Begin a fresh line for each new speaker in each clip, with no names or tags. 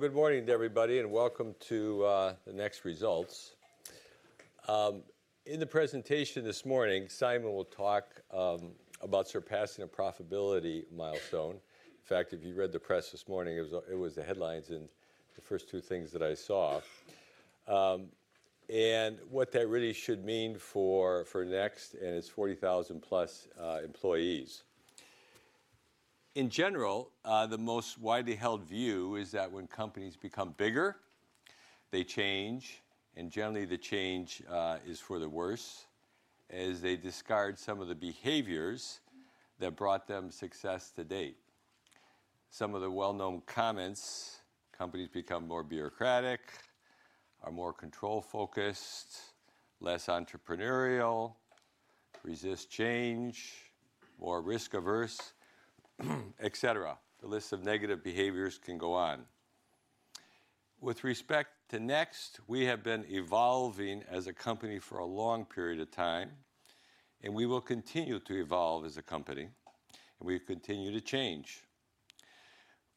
Good morning, everybody, and welcome to the Next results. In the presentation this morning, Simon will talk about surpassing a profitability milestone. In fact, if you read the press this morning, it was the headlines and the first two things that I saw. What that really should mean for Next and its 40,000 employees. In general, the most widely held view is that when companies become bigger, they change, and generally the change is for the worse as they discard some of the behaviors that brought them success to date. Some of the well-known comments: companies become more bureaucratic, are more control-focused, less entrepreneurial, resist change, more risk-averse, et cetera. The list of negative behaviors can go on. With respect to Next, we have been evolving as a company for a long period of time, and we will continue to evolve as a company, and we continue to change.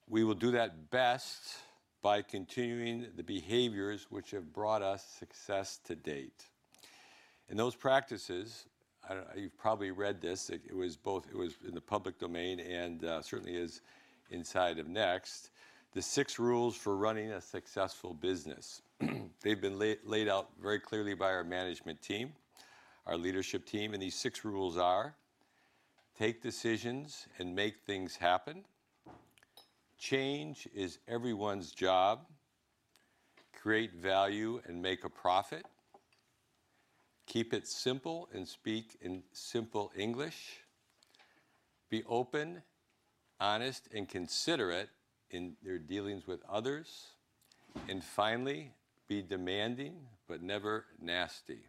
We will do that best by continuing the behaviors which have brought us success to date. Those practices, you've probably read this, it was both in the public domain and certainly is inside of Next, the six rules for running a successful business. They've been laid out very clearly by our management team, our leadership team, and these six rules are: take decisions and make things happen, change is everyone's job, create value and make a profit, keep it simple and speak in simple English, be open, honest, and considerate in your dealings with others, and finally, be demanding but never nasty.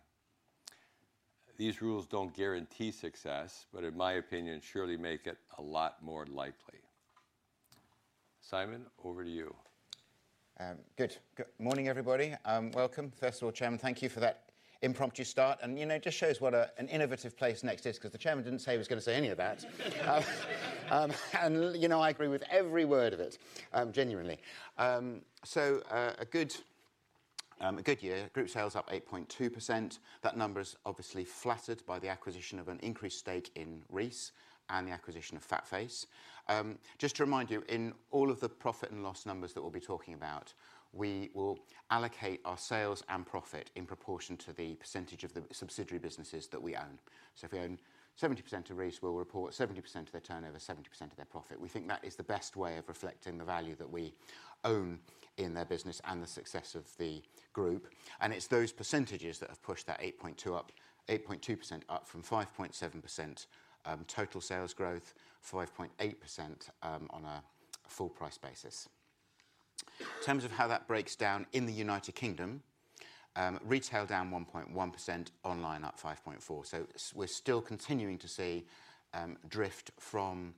These rules don't guarantee success, but in my opinion, surely make it a lot more likely. Simon, over to you.
Good morning, everybody. Welcome. First of all, Chairman, thank you for that impromptu start. It just shows what an innovative place Next is because the Chairman did not say he was going to say any of that. I agree with every word of it, genuinely. A good year, group sales up 8.2%. That number is obviously flattered by the acquisition of an increased stake in Reiss and the acquisition of FatFace. Just to remind you, in all of the profit and loss numbers that we will be talking about, we will allocate our sales and profit in proportion to the percentage of the subsidiary businesses that we own. If we own 70% of Reiss, we will report 70% of their turnover, 70% of their profit. We think that is the best way of reflecting the value that we own in their business and the success of the group. It is those percentages that have pushed that 8.2% up from 5.7% total sales growth, 5.8% on a full-price basis. In terms of how that breaks down in the U.K., retail down 1.1%, online up 5.4%. We are still continuing to see drift from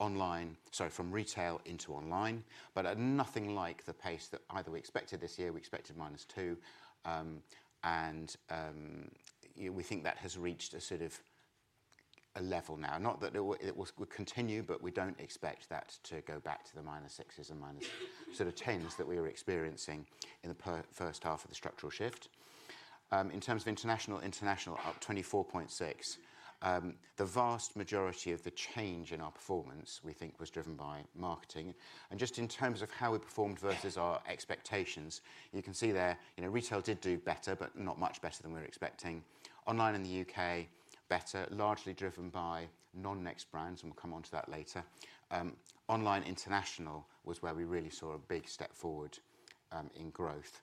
retail into online, but nothing like the pace that we expected this year. We expected minus two, and we think that has reached a sort of a level now. Not that it will continue, but we do not expect that to go back to the minus sixes and minus tens that we were experiencing in the first half of the structural shift. In terms of international, international up 24.6%. The vast majority of the change in our performance, we think, was driven by marketing. Just in terms of how we performed versus our expectations, you can see there retail did do better, but not much better than we were expecting. Online in the U.K., better, largely driven by non-Next brands, and we'll come on to that later. Online international was where we really saw a big step forward in growth,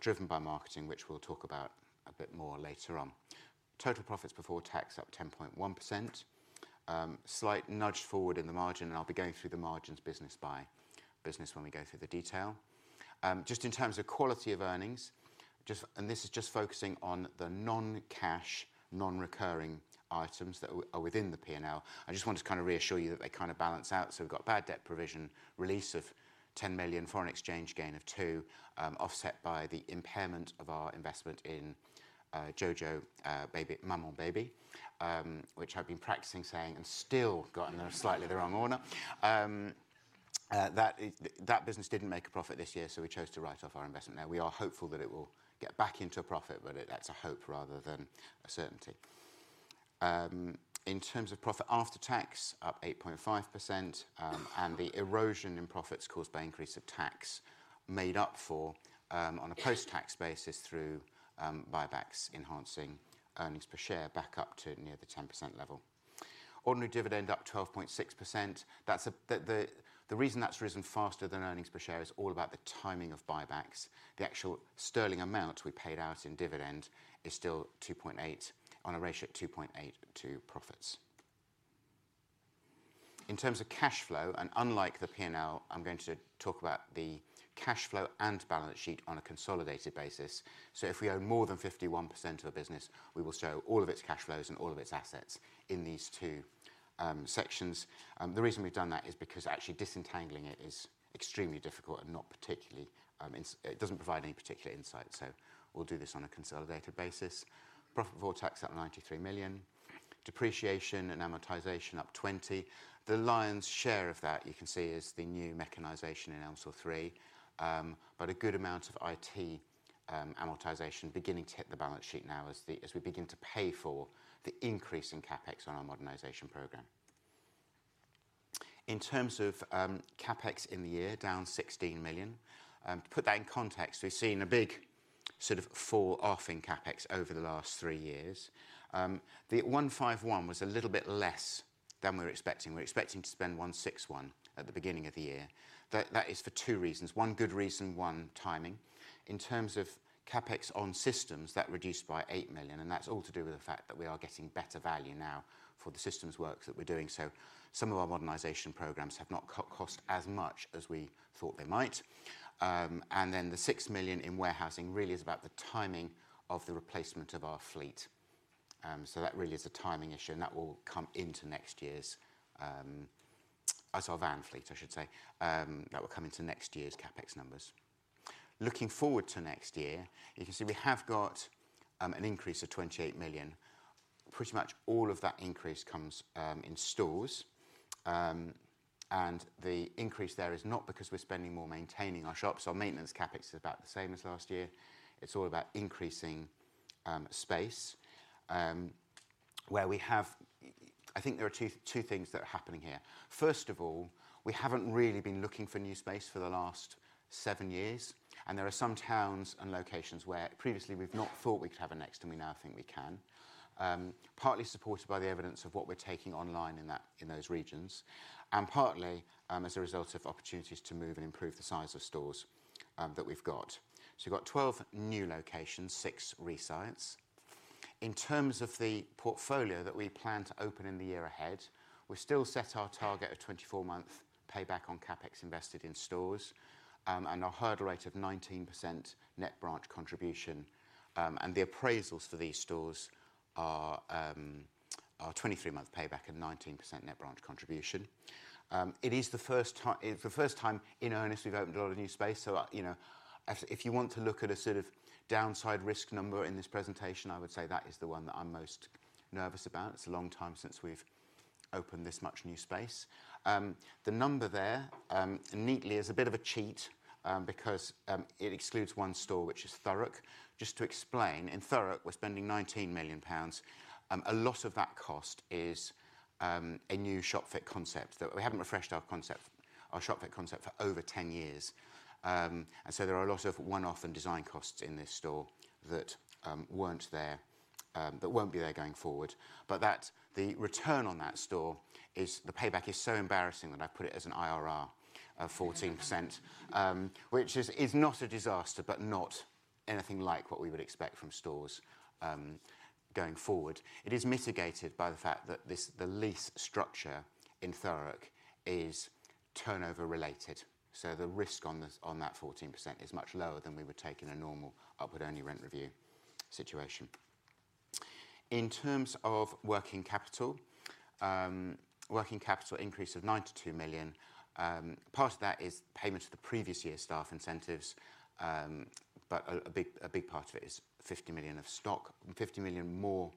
driven by marketing, which we'll talk about a bit more later on. Total profits before tax up 10.1%. Slight nudge forward in the margin, and I'll be going through the margins business by business when we go through the detail. Just in terms of quality of earnings, and this is just focusing on the non-cash, non-recurring items that are within the P&L. I just want to kind of reassure you that they kind of balance out. We have got bad debt provision, release of 10 million, foreign exchange gain of 2 million, offset by the impairment of our investment in Jojo Maman Bébé, which I have been practicing saying and still gotten slightly the wrong order. That business did not make a profit this year, so we chose to write off our investment. Now, we are hopeful that it will get back into a profit, but that is a hope rather than a certainty. In terms of profit after tax, up 8.5%, and the erosion in profits caused by increase of tax made up for on a post-tax basis through buybacks enhancing earnings per share back up to near the 10% level. Ordinary dividend up 12.6%. The reason that is risen faster than earnings per share is all about the timing of buybacks. The actual sterling amount we paid out in dividend is still on a ratio of 2.8 to profits. In terms of cash flow, and unlike the P&L, I'm going to talk about the cash flow and balance sheet on a consolidated basis. If we own more than 51% of a business, we will show all of its cash flows and all of its assets in these two sections. The reason we've done that is because actually disentangling it is extremely difficult and it doesn't provide any particular insight. We will do this on a consolidated basis. Profit for tax up 93 million. Depreciation and amortization up 20 million. The lion's share of that, you can see, is the new mechanization in three, but a good amount of IT amortization beginning to hit the balance sheet now as we begin to pay for the increase in CapEx on our modernization program. In terms of CapEx in the year, down 16 million. To put that in context, we've seen a big sort of fall off in CapEx over the last three years. The 151 million was a little bit less than we were expecting. We were expecting to spend 161 million at the beginning of the year. That is for two reasons. One good reason, one timing. In terms of CapEx on systems, that reduced by 8 million, and that's all to do with the fact that we are getting better value now for the systems work that we're doing. Some of our modernization programs have not cost as much as we thought they might. The 6 million in warehousing really is about the timing of the replacement of our fleet. That really is a timing issue, and that will come into next year's—I saw a van fleet, I should say—that will come into next year's CapEx numbers. Looking forward to next year, you can see we have got an increase of 28 million. Pretty much all of that increase comes in stores. The increase there is not because we're spending more maintaining our shops. Our maintenance CapEx is about the same as last year. It's all about increasing space where we have, I think there are two things that are happening here. First of all, we haven't really been looking for new space for the last seven years. There are some towns and locations where previously we've not thought we could have a Next, and we now think we can, partly supported by the evidence of what we're taking online in those regions, and partly as a result of opportunities to move and improve the size of stores that we've got. We have 12 new locations, six re-sites. In terms of the portfolio that we plan to open in the year ahead, we've still set our target of 24-month payback on CapEx invested in stores and our hurdle rate of 19% net branch contribution. The appraisals for these stores are 23-month payback and 19% net branch contribution. It is the first time in earnest we've opened a lot of new space. If you want to look at a sort of downside risk number in this presentation, I would say that is the one that I'm most nervous about. It's a long time since we've opened this much new space. The number there neatly is a bit of a cheat because it excludes one store, which is Thurrock. Just to explain, in Thurrock, we're spending 19 million pounds. A lot of that cost is a new shop fit concept. We haven't refreshed our shop fit concept for over 10 years. There are a lot of one-off and design costs in this store that weren't there, that won't be there going forward. The return on that store is the payback is so embarrassing that I put it as an IRR of 14%, which is not a disaster, but not anything like what we would expect from stores going forward. It is mitigated by the fact that the lease structure in Thurrock is turnover related. So the risk on that 14% is much lower than we would take in a normal upward-only rent review situation. In terms of working capital, working capital increase of 92 million. Part of that is payments for the previous year's staff incentives, but a big part of it is 50 million of stock, 50 million more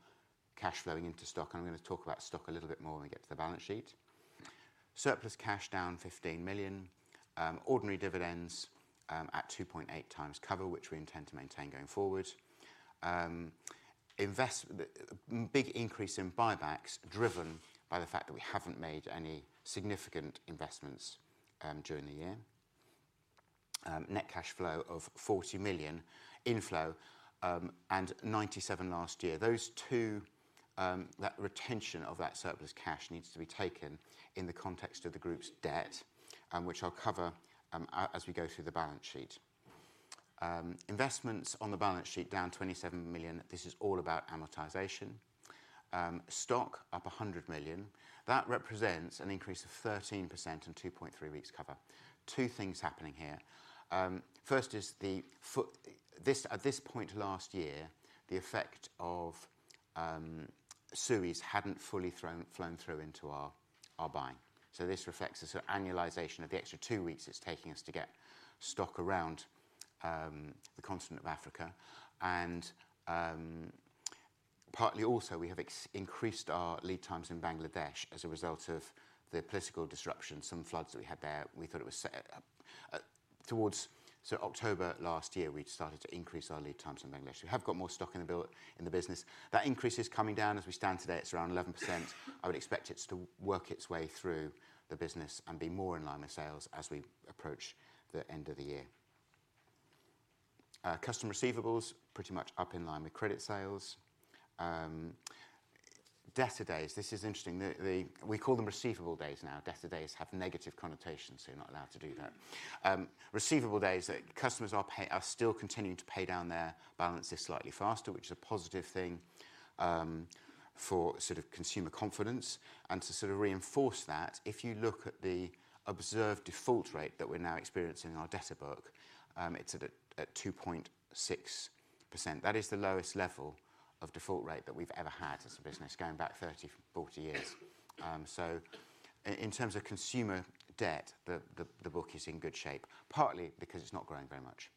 cash flowing into stock. And I'm going to talk about stock a little bit more when we get to the balance sheet. Surplus cash down 15 million. Ordinary dividends at 2.8x cover, which we intend to maintain going forward. Big increase in buybacks driven by the fact that we haven't made any significant investments during the year. Net cash flow of 40 million, inflow and 97 million last year. That retention of that surplus cash needs to be taken in the context of the group's debt, which I'll cover as we go through the balance sheet. Investments on the balance sheet down 27 million. This is all about amortization. Stock up 100 million. That represents an increase of 13% and 2.3 weeks cover. Two things happening here. First is at this point last year, the effect of Suez hadn't fully flown through into our buying. This reflects the sort of annualization of the extra two weeks it's taking us to get stock around the continent of Africa. Partly also, we have increased our lead times in Bangladesh as a result of the political disruption, some floods that we had there. We thought it was towards October last year, we'd started to increase our lead times in Bangladesh. We have got more stock in the business. That increase is coming down. As we stand today, it's around 11%. I would expect it to work its way through the business and be more in line with sales as we approach the end of the year. Customer receivables, pretty much up in line with credit sales. Data days, this is interesting. We call them receivable days now. Data days have negative connotations, so you're not allowed to do that. Receivable days, customers are still continuing to pay down their balances slightly faster, which is a positive thing for sort of consumer confidence. To sort of reinforce that, if you look at the observed default rate that we're now experiencing in our data book, it's at 2.6%. That is the lowest level of default rate that we've ever had as a business going back 30, 40 years. In terms of consumer debt, the book is in good shape, partly because it's not growing very much.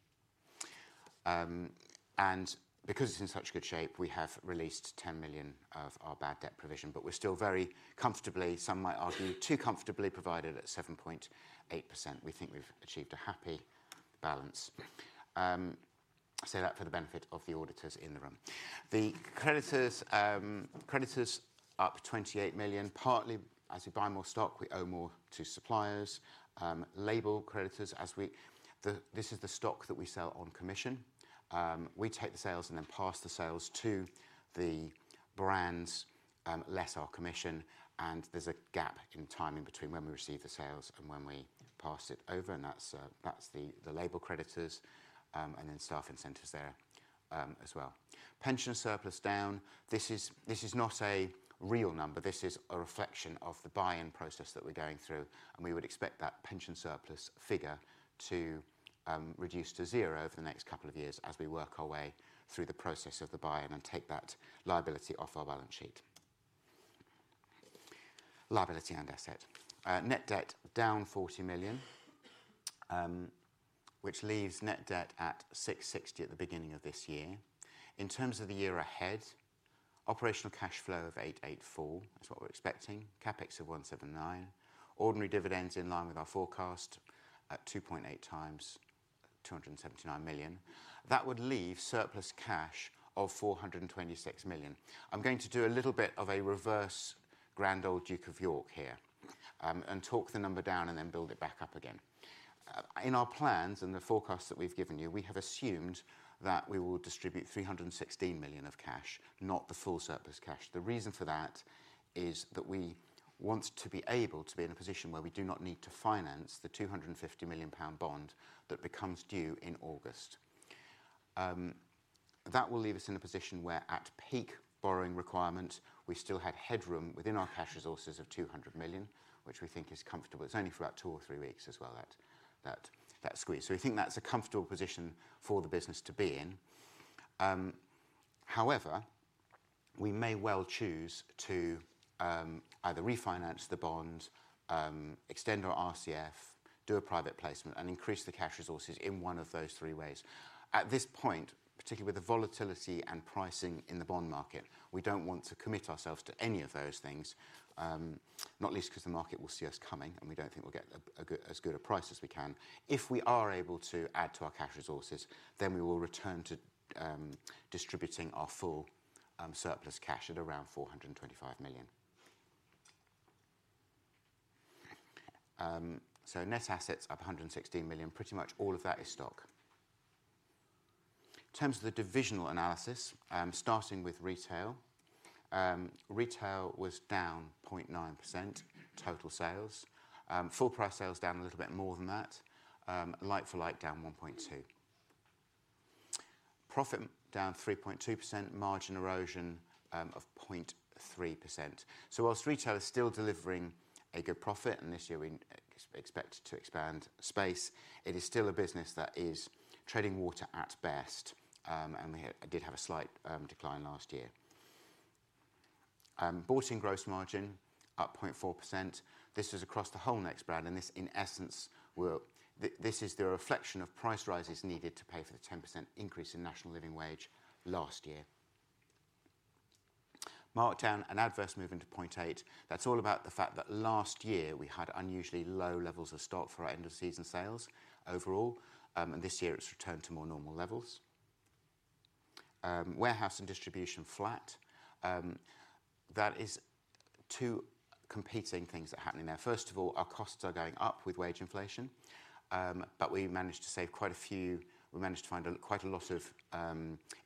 Because it's in such good shape, we have released 10 million of our bad debt provision, but we're still very comfortably, some might argue, too comfortably provided at 7.8%. We think we've achieved a happy balance. Say that for the benefit of the auditors in the room. The creditors up 28 million. Partly, as we buy more stock, we owe more to suppliers. Label creditors, this is the stock that we sell on commission. We take the sales and then pass the sales to the brands, less our commission, and there's a gap in timing between when we receive the sales and when we pass it over. That's the label creditors and then staff incentives there as well. Pension surplus down. This is not a real number. This is a reflection of the buy-in process that we're going through, and we would expect that pension surplus figure to reduce to zero over the next couple of years as we work our way through the process of the buy-in and take that liability off our balance sheet. Liability and asset. Net debt down 40 million, which leaves net debt at 660 million at the beginning of this year. In terms of the year ahead, operational cash flow of 884 million is what we're expecting. CapEx of 179 million. Ordinary dividends in line with our forecast at 2.8x 279 million. That would leave surplus cash of 426 million. I'm going to do a little bit of a reverse Grand Old Duke of York here and talk the number down and then build it back up again. In our plans and the forecasts that we've given you, we have assumed that we will distribute 316 million of cash, not the full surplus cash. The reason for that is that we want to be able to be in a position where we do not need to finance the 250 million pound bond that becomes due in August. That will leave us in a position where at peak borrowing requirement, we still had headroom within our cash resources of 200 million, which we think is comfortable. It's only for about two or three weeks as well that squeeze. We think that's a comfortable position for the business to be in. However, we may well choose to either refinance the bond, extend our RCF, do a private placement, and increase the cash resources in one of those three ways. At this point, particularly with the volatility and pricing in the bond market, we don't want to commit ourselves to any of those things, not least because the market will see us coming and we don't think we'll get as good a price as we can. If we are able to add to our cash resources, then we will return to distributing our full surplus cash at around 425 million. Net assets up 116 million. Pretty much all of that is stock. In terms of the divisional analysis, starting with retail, retail was down 0.9% total sales. Full price sales down a little bit more than that. Like for like down 1.2%. Profit down 3.2%. Margin erosion of 0.3%. Whilst retail is still delivering a good profit and this year we expect to expand space, it is still a business that is treading water at best. We did have a slight decline last year. Bought-in gross margin up 0.4%. This is across the whole Next brand. This, in essence, is the reflection of price rises needed to pay for the 10% increase in national living wage last year. Markdown and adverse move into 0.8%. That is all about the fact that last year we had unusually low levels of stock for our end of season sales overall, and this year it has returned to more normal levels. Warehouse and distribution flat. That is two competing things that happen in there. First of all, our costs are going up with wage inflation, but we managed to save quite a few. We managed to find quite a lot of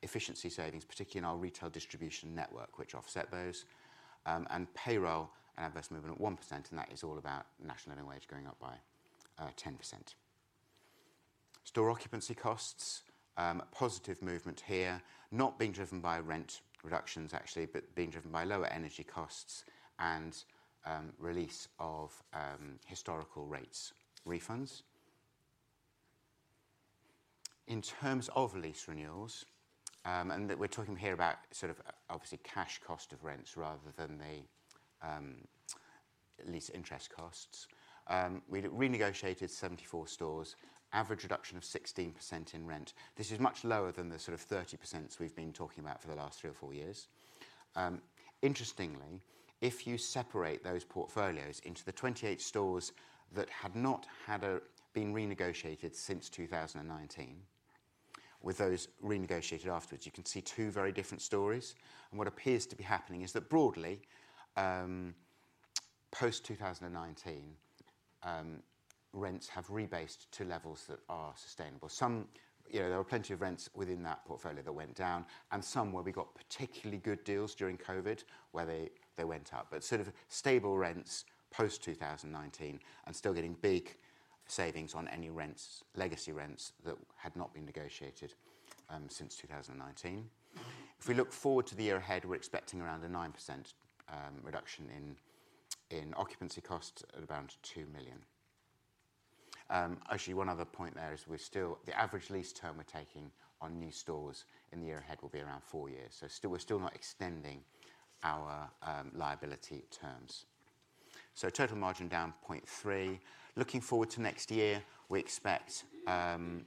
efficiency savings, particularly in our retail distribution network, which offset those. Payroll and adverse movement at 1%. That is all about national living wage going up by 10%. Store occupancy costs, positive movement here, not being driven by rent reductions actually, but being driven by lower energy costs and release of historical rates refunds. In terms of lease renewals, and we're talking here about sort of obviously cash cost of rents rather than the lease interest costs. We renegotiated 74 stores, average reduction of 16% in rent. This is much lower than the sort of 30% we've been talking about for the last three or four years. Interestingly, if you separate those portfolios into the 28 stores that had not been renegotiated since 2019, with those renegotiated afterwards, you can see two very different stories. What appears to be happening is that broadly, post 2019, rents have rebased to levels that are sustainable. There were plenty of rents within that portfolio that went down, and some where we got particularly good deals during COVID where they went up. Sort of stable rents post 2019 and still getting big savings on any legacy rents that had not been negotiated since 2019. If we look forward to the year ahead, we're expecting around a 9% reduction in occupancy costs at around 2 million. Actually, one other point there is the average lease term we're taking on new stores in the year ahead will be around four years. We're still not extending our liability terms. Total margin down 0.3. Looking forward to next year, we expect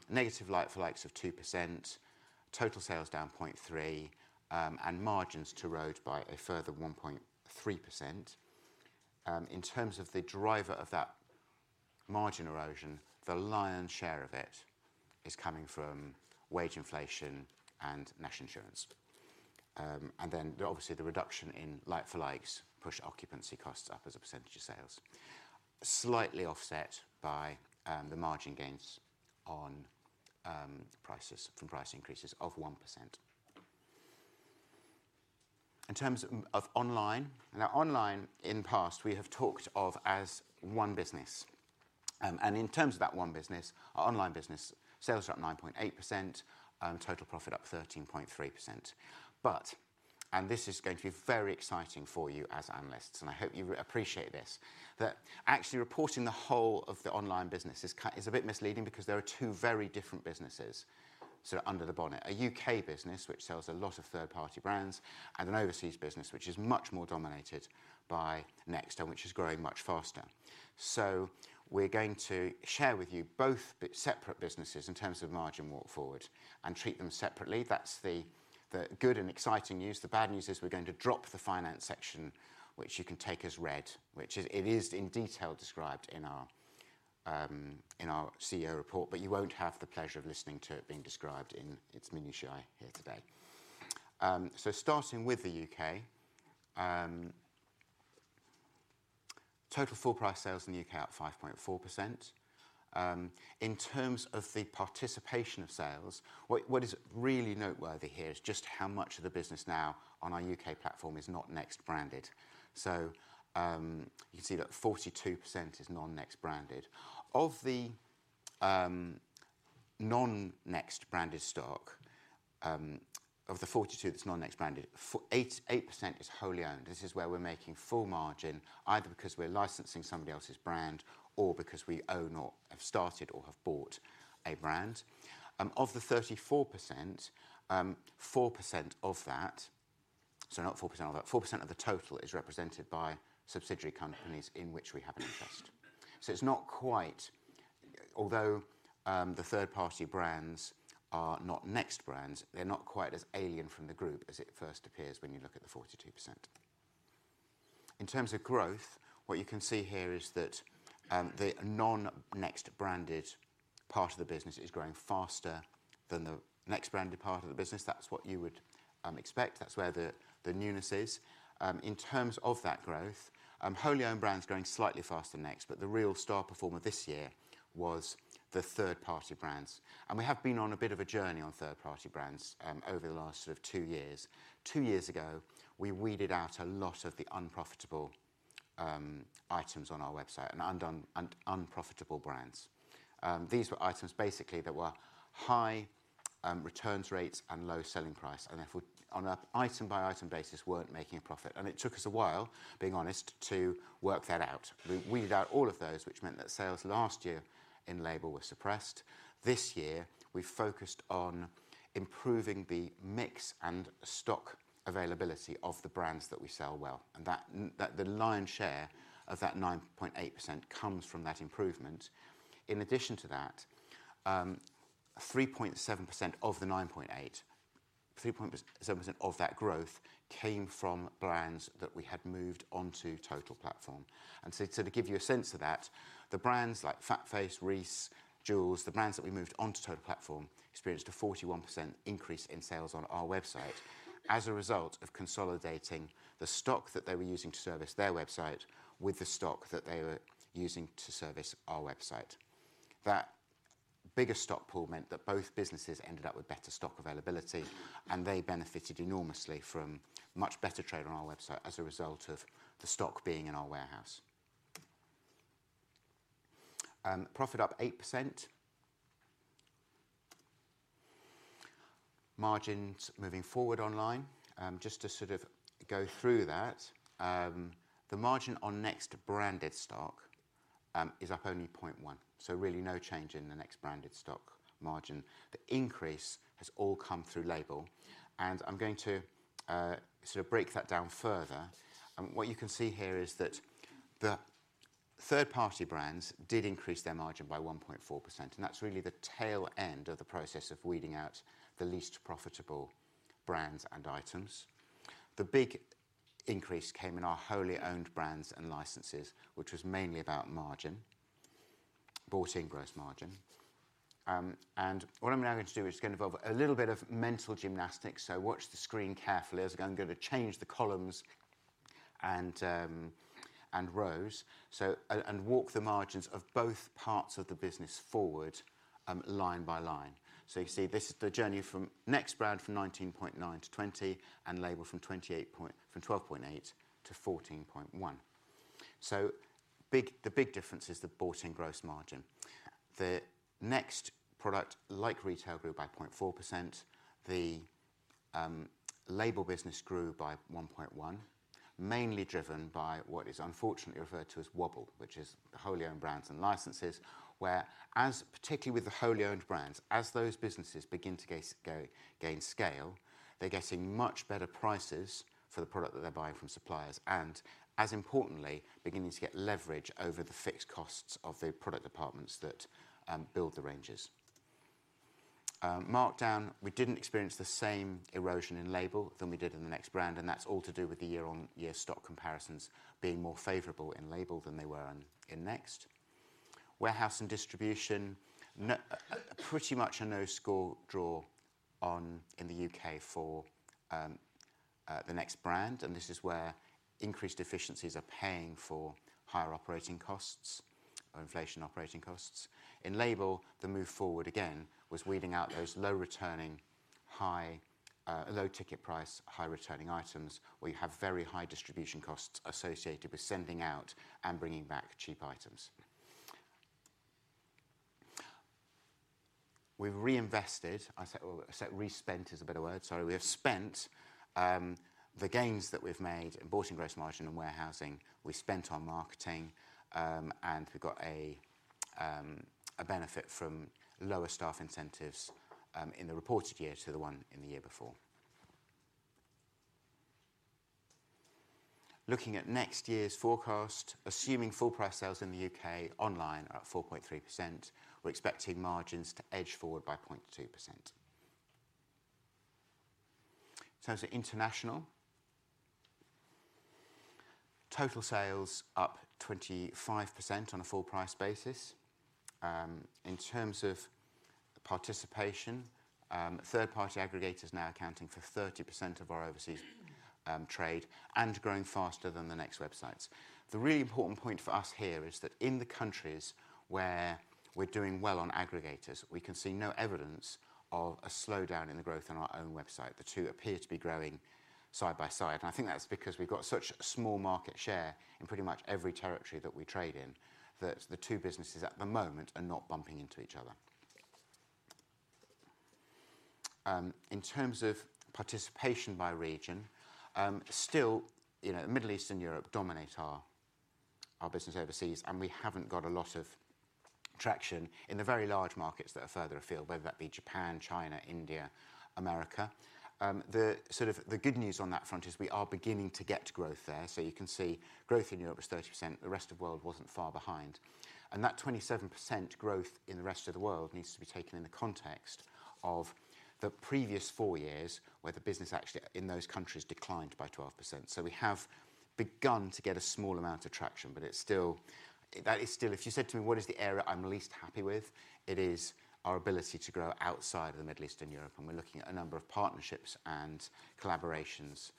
negative like for likes of 2%, total sales down 0.3%, and margins to rise by a further 1.3%. In terms of the driver of that margin erosion, the lion's share of it is coming from wage inflation and national insurance. Obviously, the reduction in like for likes pushed occupancy costs up as a percentage of sales, slightly offset by the margin gains from price increases of 1%. In terms of online, now online in the past, we have talked of as one business. In terms of that one business, our online business sales are up 9.8%, total profit up 13.3%. This is going to be very exciting for you as analysts, and I hope you appreciate this, that actually reporting the whole of the online business is a bit misleading because there are two very different businesses sort of under the bonnet. A U.K. business, which sells a lot of third-party brands, and an overseas business, which is much more dominated by Next, which is growing much faster. We are going to share with you both separate businesses in terms of margin walk forward and treat them separately. That is the good and exciting news. The bad news is we are going to drop the finance section, which you can take as read, which is in detail described in our CEO report, but you will not have the pleasure of listening to it being described in its minutiae here today. Starting with the U.K., total full price sales in the U.K. are up 5.4%. In terms of the participation of sales, what is really noteworthy here is just how much of the business now on our U.K. platform is not Next branded. You can see that 42% is non-Next branded. Of the non-Next branded stock, of the 42% that's non-Next branded, 8% is wholly owned. This is where we're making full margin, either because we're licensing somebody else's brand or because we own or have started or have bought a brand. Of the 34%, 4% of that, 4% of the total is represented by subsidiary companies in which we have an interest. It's not quite, although the third-party brands are not Next brands, they're not quite as alien from the group as it first appears when you look at the 42%. In terms of growth, what you can see here is that the non-Next branded part of the business is growing faster than the Next branded part of the business. That's what you would expect. That's where the newness is. In terms of that growth, wholly owned brands are growing slightly faster than Next, but the real star performer this year was the third-party brands. We have been on a bit of a journey on third-party brands over the last sort of two years. Two years ago, we weeded out a lot of the unprofitable items on our website and unprofitable brands. These were items basically that were high returns rates and low selling price, and therefore on an item-by-item basis were not making a profit. It took us a while, being honest, to work that out. We weeded out all of those, which meant that sales last year in label were suppressed. This year, we focused on improving the mix and stock availability of the brands that we sell well. The lion's share of that 9.8% comes from that improvement. In addition to that, 3.7% of the 9.8%, 3.7% of that growth came from brands that we had moved onto Total Platform. To give you a sense of that, the brands like FatFace, Reiss, Joules, the brands that we moved onto Total Platform experienced a 41% increase in sales on our website as a result of consolidating the stock that they were using to service their website with the stock that they were using to service our website. That bigger stock pool meant that both businesses ended up with better stock availability, and they benefited enormously from much better trade on our website as a result of the stock being in our warehouse. Profit up 8%. Margins moving forward online. Just to sort of go through that, the margin on Next-branded stock is up only 0.1%. So really no change in the Next branded stock margin. The increase has all come through label. I'm going to sort of break that down further. What you can see here is that the third-party brands did increase their margin by 1.4%. That's really the tail end of the process of weeding out the least profitable brands and items. The big increase came in our wholly owned brands and licenses, which was mainly about margin, bought in gross margin. What I'm now going to do is it's going to involve a little bit of mental gymnastics. Watch the screen carefully as I'm going to change the columns and rows and walk the margins of both parts of the business forward line by line. You see this is the journey from Next brand from 19.9% to 20% and label from 12.8% to 14.1%. The big difference is the bought in gross margin. The Next product like retail grew by 0.4%. The label business grew by 1.1%, mainly driven by what is unfortunately referred to as Wobble, which is the wholly owned brands and licenses, where particularly with the wholly owned brands, as those businesses begin to gain scale, they're getting much better prices for the product that they're buying from suppliers. And as importantly, beginning to get leverage over the fixed costs of the product departments that build the ranges. Markdown, we didn't experience the same erosion in label than we did in the Next brand. And that's all to do with the year-on-year stock comparisons being more favorable in label than they were in Next. Warehouse and distribution, pretty much a no score draw in the U.K. for the Next brand. This is where increased efficiencies are paying for higher operating costs or inflation operating costs. In label, the move forward again was weeding out those low-returning, low ticket price, high-returning items where you have very high distribution costs associated with sending out and bringing back cheap items. We've reinvested. I said respent is a better word. Sorry. We have spent the gains that we've made in bought in gross margin and warehousing. We spent on marketing, and we got a benefit from lower staff incentives in the reported year to the one in the year before. Looking at next year's forecast, assuming full price sales in the U.K. online are at 4.3%, we're expecting margins to edge forward by 0.2%. In terms of international, total sales up 25% on a full price basis. In terms of participation, third-party aggregators now accounting for 30% of our overseas trade and growing faster than the Next websites. The really important point for us here is that in the countries where we're doing well on aggregators, we can see no evidence of a slowdown in the growth on our own website. The two appear to be growing side by side. I think that's because we've got such a small market share in pretty much every territory that we trade in that the two businesses at the moment are not bumping into each other. In terms of participation by region, still, Middle East and Europe dominate our business overseas, and we haven't got a lot of traction in the very large markets that are further afield, whether that be Japan, China, India, America. The good news on that front is we are beginning to get growth there. You can see growth in Europe was 30%. The rest of the world wasn't far behind. That 27% growth in the rest of the world needs to be taken in the context of the previous four years where the business actually in those countries declined by 12%. We have begun to get a small amount of traction, but that is still, if you said to me, "What is the area I'm least happy with?" it is our ability to grow outside of the Middle East and Europe. We are looking at a number of partnerships and collaborations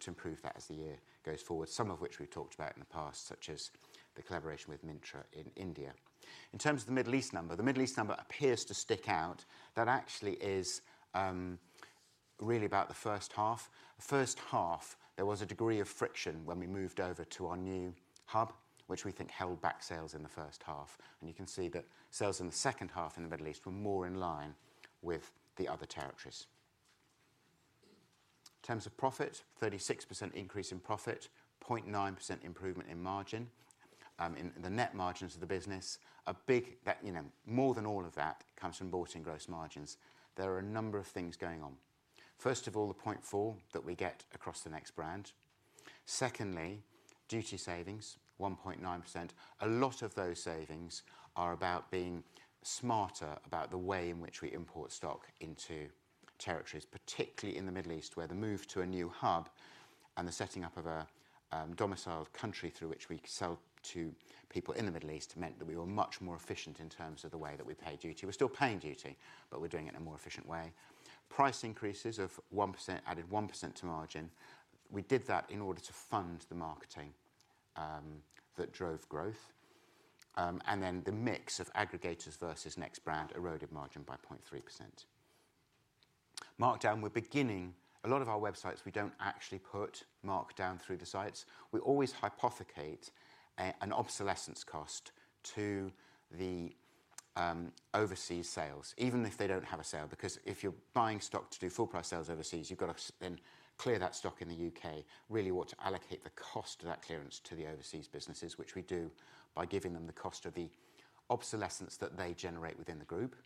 to improve that as the year goes forward, some of which we've talked about in the past, such as the collaboration with Myntra in India. In terms of the Middle East number, the Middle East number appears to stick out. That actually is really about the first half. First half, there was a degree of friction when we moved over to our new hub, which we think held back sales in the first half. You can see that sales in the second half in the Middle East were more in line with the other territories. In terms of profit, 36% increase in profit, 0.9% improvement in margin, the net margins of the business. More than all of that comes from bought in gross margins. There are a number of things going on. First of all, the 0.4 that we get across the Next brand. Secondly, duty savings, 1.9%. A lot of those savings are about being smarter about the way in which we import stock into territories, particularly in the Middle East, where the move to a new hub and the setting up of a domiciled country through which we sell to people in the Middle East meant that we were much more efficient in terms of the way that we pay duty. We are still paying duty, but we are doing it in a more efficient way. Price increases of 1% added 1% to margin. We did that in order to fund the marketing that drove growth. The mix of aggregators versus Next brand eroded margin by 0.3%. Markdown, we are beginning a lot of our websites, we do not actually put Markdown through the sites. We always hypothesize an obsolescence cost to the overseas sales, even if they do not have a sale, because if you are buying stock to do full price sales overseas, you have got to then clear that stock in the U.K., really want to allocate the cost of that clearance to the overseas businesses, which we do by giving them the cost of the obsolescence that they generate within the group.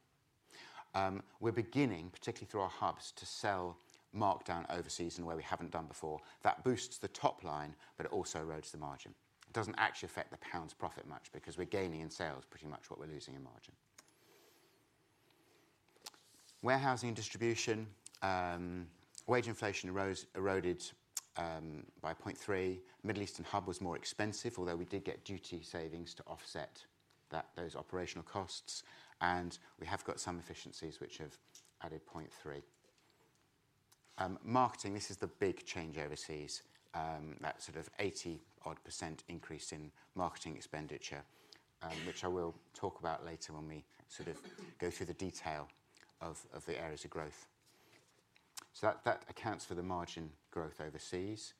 We are beginning, particularly through our hubs, to sell Markdown overseas in a way we have not done before. That boosts the top line, but it also erodes the margin. It does not actually affect the pound's profit much because we are gaining in sales pretty much what we are losing in margin. Warehousing and distribution, wage inflation eroded by 0.3%. Middle East and hub was more expensive, although we did get duty savings to offset those operational costs. We have got some efficiencies which have added 0.3%. Marketing, this is the big change overseas, that sort of 80-odd % increase in marketing expenditure, which I will talk about later when we go through the detail of the areas of growth. That accounts for the margin growth overseas.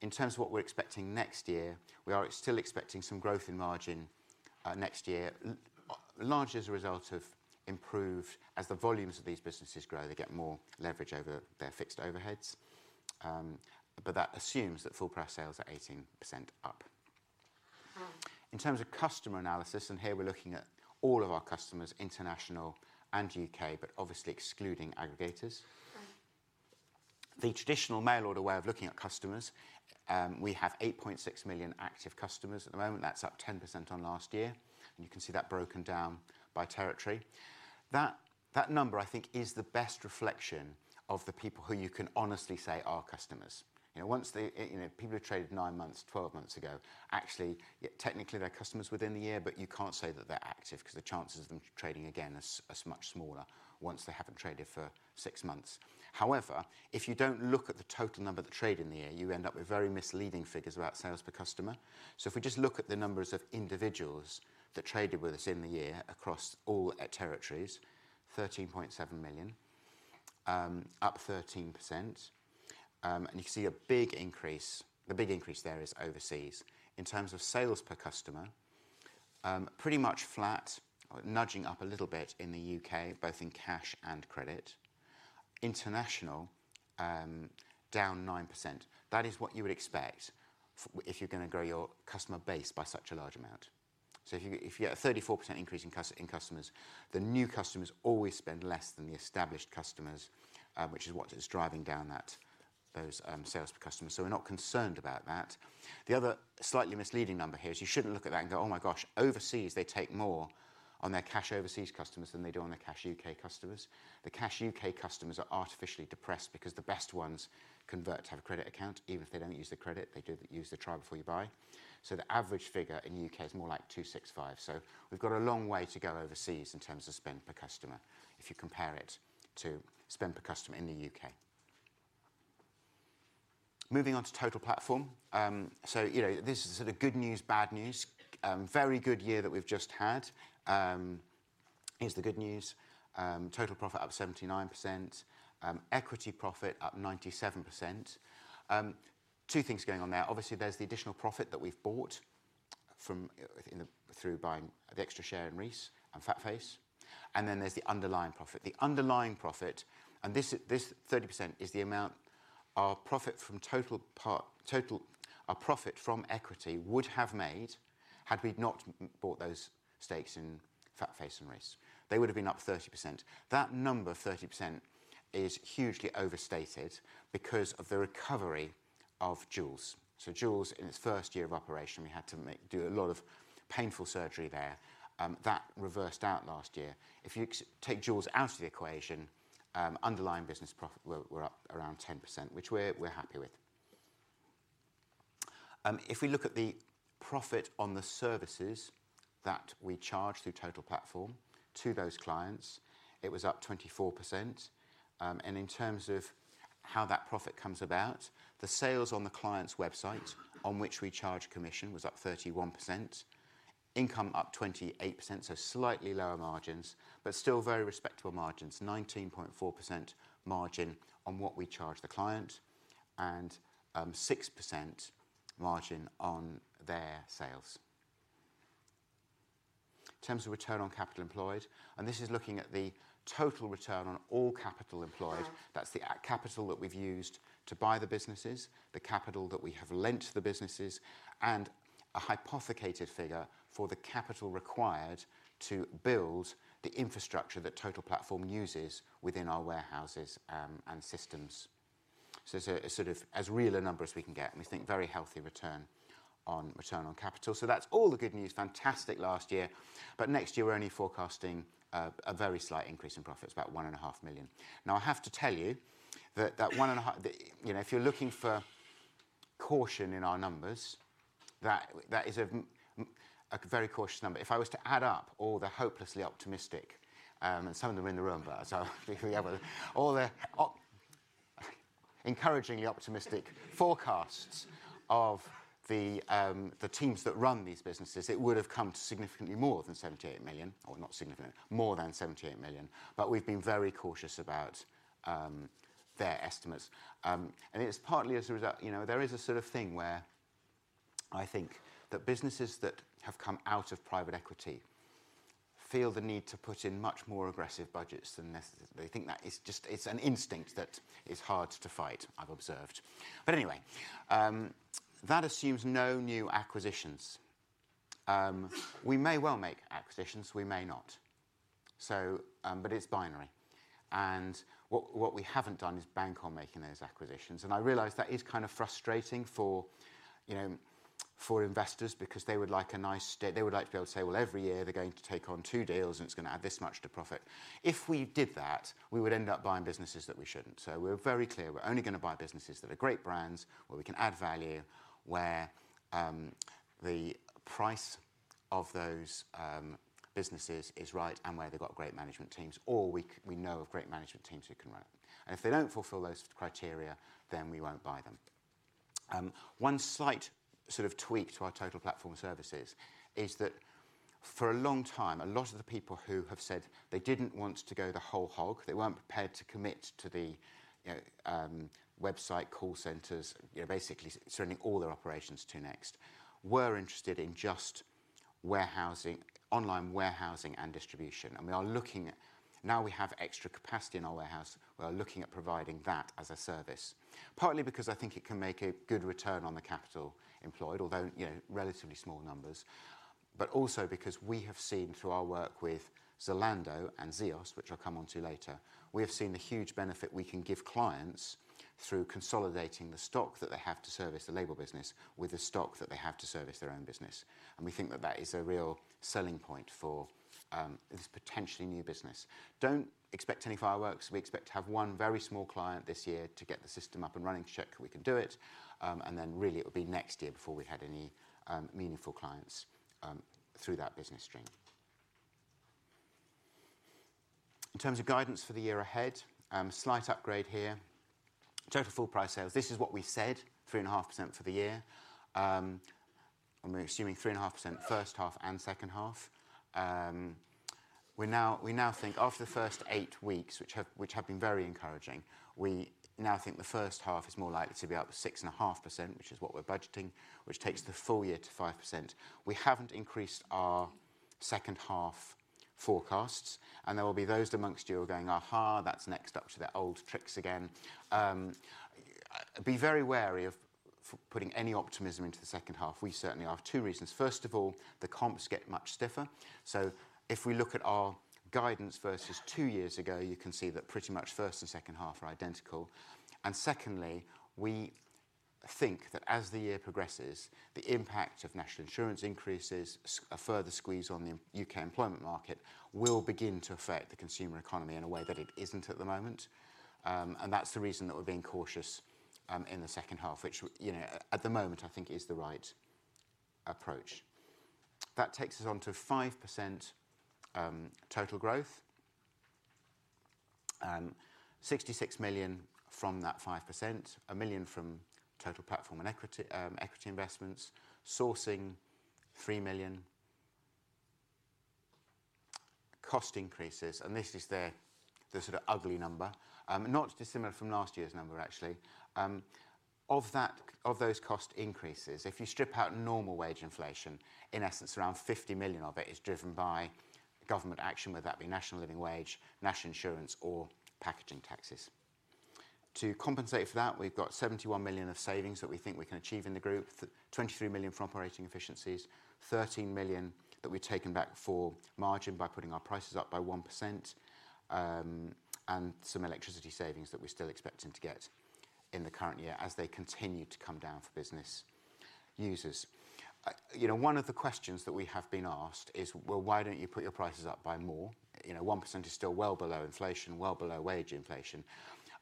In terms of what we're expecting next year, we are still expecting some growth in margin next year, largely as a result of improved. As the volumes of these businesses grow, they get more leverage over their fixed overheads. That assumes that full price sales are 18% up. In terms of customer analysis, and here we're looking at all of our customers, international and U.K., but obviously excluding aggregators. The traditional mail order way of looking at customers, we have 8.6 million active customers at the moment. That's up 10% on last year. You can see that broken down by territory. That number, I think, is the best reflection of the people who you can honestly say are customers. Once people have traded nine months, 12 months ago, actually, technically, they're customers within the year, but you can't say that they're active because the chances of them trading again are much smaller once they haven't traded for six months. However, if you don't look at the total number that traded in the year, you end up with very misleading figures about sales per customer. If we just look at the numbers of individuals that traded with us in the year across all territories, 13.7 million, up 13%. You can see a big increase. The big increase there is overseas. In terms of sales per customer, pretty much flat, nudging up a little bit in the U.K., both in cash and credit. International, down 9%. That is what you would expect if you're going to grow your customer base by such a large amount. If you get a 34% increase in customers, the new customers always spend less than the established customers, which is what is driving down those sales per customers. We're not concerned about that. The other slightly misleading number here is you shouldn't look at that and go, "Oh my gosh, overseas, they take more on their cash overseas customers than they do on their cash U.K. customers." The cash U.K. customers are artificially depressed because the best ones convert to have a credit account, even if they don't use the credit. They use the try before you buy. The average figure in the U.K. is more like 265 million. We have a long way to go overseas in terms of spend per customer if you compare it to spend per customer in the U.K. Moving on to Total Platform. This is sort of good news, bad news. Very good year that we have just had is the good news. Total profit up 79%. Equity profit up 97%. Two things going on there. Obviously, there is the additional profit that we have brought through buying the extra share in Reiss and FatFace. Then there is the underlying profit. The underlying profit, and this 30%, is the amount our profit from Total profit from equity would have made had we not bought those stakes in FatFace and Reiss. They would have been up 30%. That number, 30%, is hugely overstated because of the recovery of Joules. Joules, in its first year of operation, we had to do a lot of painful surgery there. That reversed out last year. If you take Joules out of the equation, underlying business profit were up around 10%, which we're happy with. If we look at the profit on the services that we charge through Total Platform to those clients, it was up 24%. In terms of how that profit comes about, the sales on the client's website, on which we charge commission, was up 31%. Income up 28%, so slightly lower margins, but still very respectable margins, 19.4% margin on what we charge the client and 6% margin on their sales. In terms of return on capital employed, and this is looking at the total return on all capital employed. That's the capital that we've used to buy the businesses, the capital that we have lent to the businesses, and a hypothesized figure for the capital required to build the infrastructure that Total Platform uses within our warehouses and systems. It is sort of as real a number as we can get. We think very healthy return on capital. That is all the good news. Fantastic last year. Next year, we are only forecasting a very slight increase in profits, about 1.5 million. I have to tell you that if you're looking for caution in our numbers, that is a very cautious number. If I was to add up all the hopelessly optimistic, and some of them are in the room, all the encouragingly optimistic forecasts of the teams that run these businesses, it would have come to significantly more than 78 million, or not significantly more than 78 million. We have been very cautious about their estimates. It is partly as a result. There is a sort of thing where I think that businesses that have come out of private equity feel the need to put in much more aggressive budgets than necessary. They think that it is an instinct that is hard to fight, I have observed. Anyway, that assumes no new acquisitions. We may well make acquisitions. We may not. It is binary. What we have not done is bank on making those acquisitions. I realize that is kind of frustrating for investors because they would like a nice state. They would like to be able to say, "Well, every year, they're going to take on two deals, and it's going to add this much to profit." If we did that, we would end up buying businesses that we shouldn't. We are very clear. We are only going to buy businesses that are great brands where we can add value, where the price of those businesses is right and where they have great management teams, or we know of great management teams who can run it. If they do not fulfill those criteria, then we will not buy them. One slight sort of tweak to our Total Platform services is that for a long time, a lot of the people who have said they did not want to go the whole hog, they were not prepared to commit to the website call centers, basically surrendering all their operations to Next, were interested in just online warehousing and distribution. Now we have extra capacity in our warehouse, we are looking at providing that as a service, partly because I think it can make a good return on the capital employed, although relatively small numbers, but also because we have seen through our work with Zalando and ZEOS, which I will come on to later, we have seen the huge benefit we can give clients through consolidating the stock that they have to service the label business with the stock that they have to service their own business. We think that that is a real selling point for this potentially new business. Do not expect any fireworks. We expect to have one very small client this year to get the system up and running to check we can do it. It will be next year before we have any meaningful clients through that business stream. In terms of guidance for the year ahead, slight upgrade here. Total full price sales, this is what we said, 3.5% for the year. We are assuming 3.5% first half and second half. We now think after the first eight weeks, which have been very encouraging, the first half is more likely to be up 6.5%, which is what we are budgeting, which takes the full year to 5%. We have not increased our second half forecasts. There will be those amongst you who are going, "Aha, that's Next up to their old tricks again." Be very wary of putting any optimism into the second half. We certainly are for two reasons. First of all, the comps get much stiffer. If we look at our guidance versus two years ago, you can see that pretty much first and second half are identical. Secondly, we think that as the year progresses, the impact of national insurance increases, a further squeeze on the U.K. employment market will begin to affect the consumer economy in a way that it isn't at the moment. That is the reason that we're being cautious in the second half, which at the moment, I think, is the right approach. That takes us on to 5% total growth, 66 million from that 5%, 1 million from Total Platform and equity investments, sourcing 3 million. Cost increases, and this is the sort of ugly number, not dissimilar from last year's number, actually. Of those cost increases, if you strip out normal wage inflation, in essence, around 50 million of it is driven by government action, whether that be national living wage, national insurance, or packaging taxes. To compensate for that, we've got 71 million of savings that we think we can achieve in the group, 23 million from operating efficiencies, 13 million that we've taken back for margin by putting our prices up by 1%, and some electricity savings that we're still expecting to get in the current year as they continue to come down for business users. One of the questions that we have been asked is, "Well, why don't you put your prices up by more?" 1% is still well below inflation, well below wage inflation.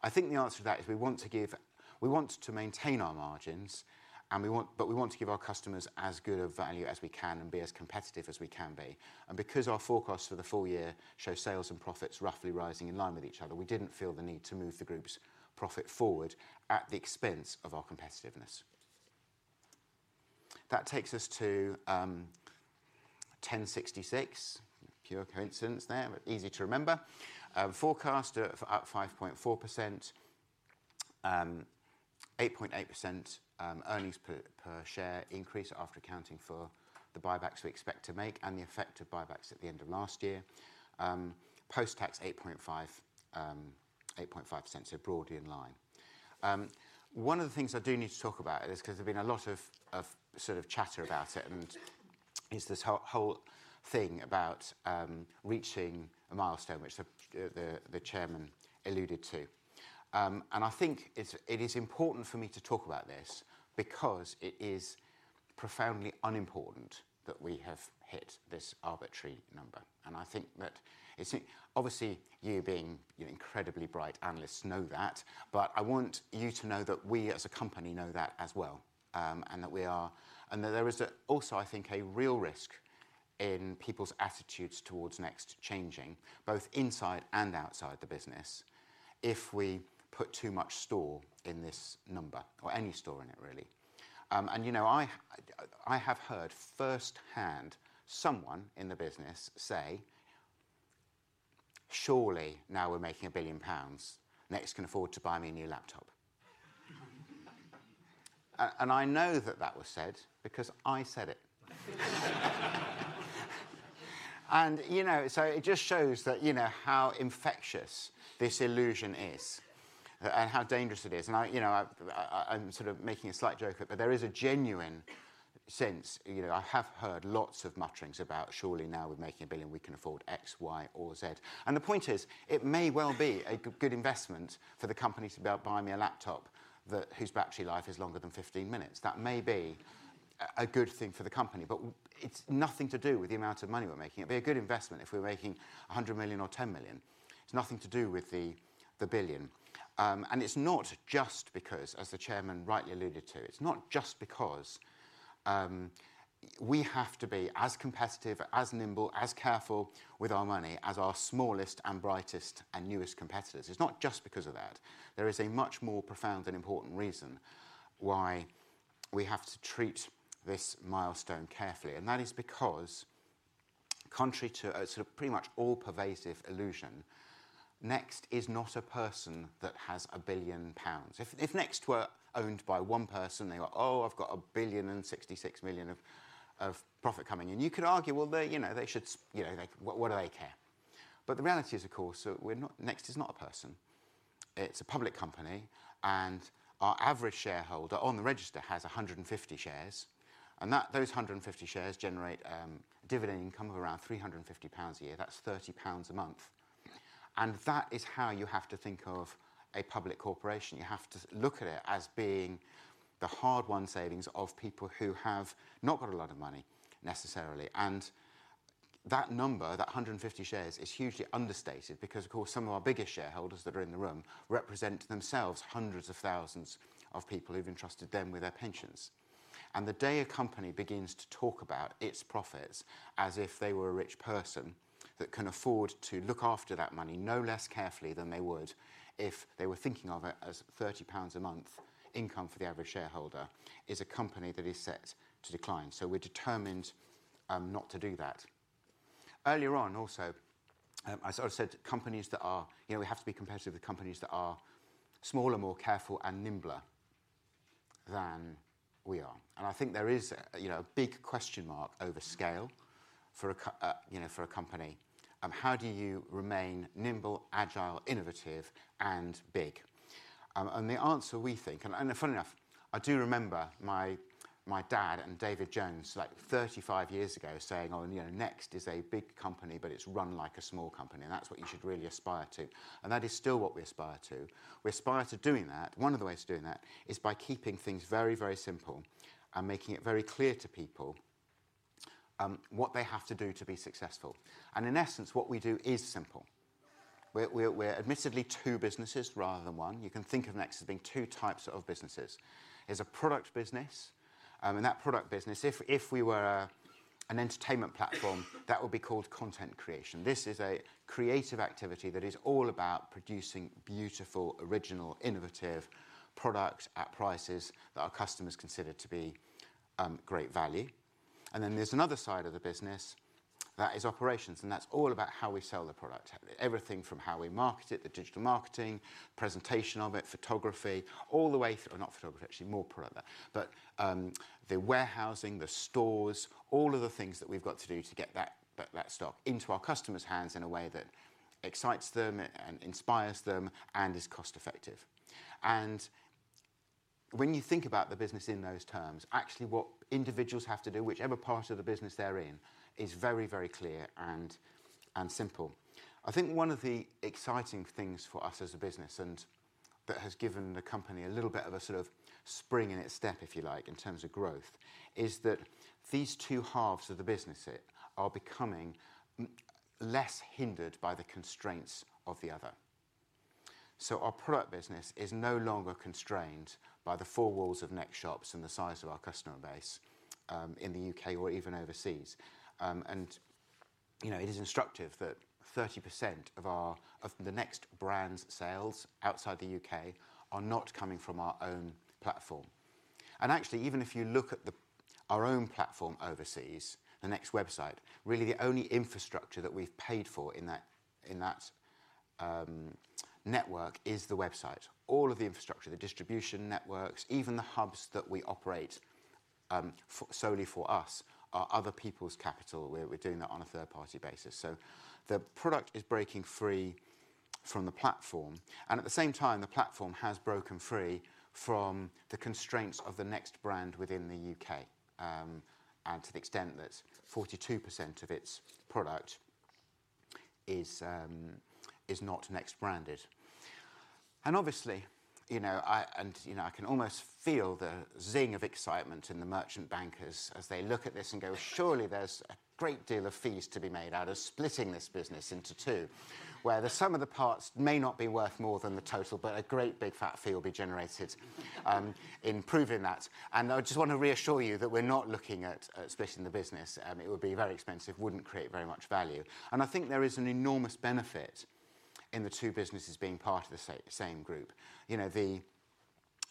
I think the answer to that is we want to maintain our margins, but we want to give our customers as good a value as we can and be as competitive as we can be. Because our forecasts for the full year show sales and profits roughly rising in line with each other, we didn't feel the need to move the group's profit forward at the expense of our competitiveness. That takes us to 1.066 billion, pure coincidence there, but easy to remember. Forecast up 5.4%, 8.8% earnings per share increase after accounting for the buybacks we expect to make and the effect of buybacks at the end of last year. Post-tax, 8.5%, so broadly in line. One of the things I do need to talk about is because there's been a lot of sort of chatter about it, and it's this whole thing about reaching a milestone, which the Chairman alluded to. I think it is important for me to talk about this because it is profoundly unimportant that we have hit this arbitrary number. I think that obviously, you being incredibly bright analysts know that, but I want you to know that we as a company know that as well and that we are, and that there is also, I think, a real risk in people's attitudes towards Next changing, both inside and outside the business, if we put too much store in this number or any store in it, really. I have heard firsthand someone in the business say, "Surely, now we're making 1 billion pounds, Next can afford to buy me a new laptop." I know that that was said because I said it. It just shows how infectious this illusion is and how dangerous it is. I'm sort of making a slight joke of it, but there is a genuine sense. I have heard lots of mutterings about, "Surely, now we're making 1 billion, we can afford X, Y, or Z." The point is, it may well be a good investment for the company to be able to buy me a laptop whose battery life is longer than 15 minutes. That may be a good thing for the company, but it's nothing to do with the amount of money we're making. It'd be a good investment if we were making 100 million or 10 million. It's nothing to do with the billion. It's not just because, as the Chairman rightly alluded to, it's not just because we have to be as competitive, as nimble, as careful with our money as our smallest and brightest and newest competitors. It's not just because of that. There is a much more profound and important reason why we have to treat this milestone carefully. That is because, contrary to sort of pretty much all pervasive illusion, Next is not a person that has a billion pounds. If Next were owned by one person, they were, "Oh, I've got 1 billion and 66 million of profit coming in." You could argue, "What do they care?" The reality is, of course, Next is not a person. It's a public company, and our average shareholder on the register has 150 shares. Those 150 shares generate a dividend income of around 350 pounds a year. That's 30 pounds a month. That is how you have to think of a public corporation. You have to look at it as being the hard-won savings of people who have not got a lot of money necessarily. That number, that 150 shares, is hugely understated because, of course, some of our biggest shareholders that are in the room represent themselves hundreds of thousands of people who've entrusted them with their pensions. The day a company begins to talk about its profits as if they were a rich person that can afford to look after that money no less carefully than they would if they were thinking of it as 30 pounds a month income for the average shareholder is a company that is set to decline. We are determined not to do that. Earlier on, also, I sort of said companies that are, we have to be competitive with companies that are smaller, more careful, and nimbler than we are. I think there is a big question mark over scale for a company. How do you remain nimble, agile, innovative, and big? The answer, we think, and funny enough, I do remember my dad and David Jones like 35 years ago saying, "Oh, Next is a big company, but it's run like a small company." That is what you should really aspire to. That is still what we aspire to. We aspire to doing that. One of the ways to doing that is by keeping things very, very simple and making it very clear to people what they have to do to be successful. In essence, what we do is simple. We're admittedly two businesses rather than one. You can think of Next as being two types of businesses. There's a product business. That product business, if we were an entertainment platform, that would be called content creation. This is a creative activity that is all about producing beautiful, original, innovative products at prices that our customers consider to be great value. There is another side of the business that is operations. That is all about how we sell the product. Everything from how we market it, the digital marketing, presentation of it, photography, all the way through, or not photography, actually, more product. The warehousing, the stores, all of the things that we have got to do to get that stock into our customers' hands in a way that excites them and inspires them and is cost-effective. When you think about the business in those terms, actually what individuals have to do, whichever part of the business they are in, is very, very clear and simple. I think one of the exciting things for us as a business and that has given the company a little bit of a sort of spring in its step, if you like, in terms of growth, is that these two halves of the business are becoming less hindered by the constraints of the other. Our product business is no longer constrained by the four walls of Next shops and the size of our customer base in the U.K. or even overseas. It is instructive that 30% of the Next brand's sales outside the U.K. are not coming from our own platform. Actually, even if you look at our own platform overseas, the Next website, really the only infrastructure that we have paid for in that network is the website. All of the infrastructure, the distribution networks, even the hubs that we operate solely for us are other people's capital. We're doing that on a third-party basis. The product is breaking free from the platform. At the same time, the platform has broken free from the constraints of the Next brand within the U.K. to the extent that 42% of its product is not Next-branded. Obviously, I can almost feel the zing of excitement in the merchant bankers as they look at this and go, "Surely, there's a great deal of fees to be made out of splitting this business into two, where some of the parts may not be worth more than the total, but a great big fat fee will be generated in proving that." I just want to reassure you that we're not looking at splitting the business. It would be very expensive, would not create very much value. I think there is an enormous benefit in the two businesses being part of the same group.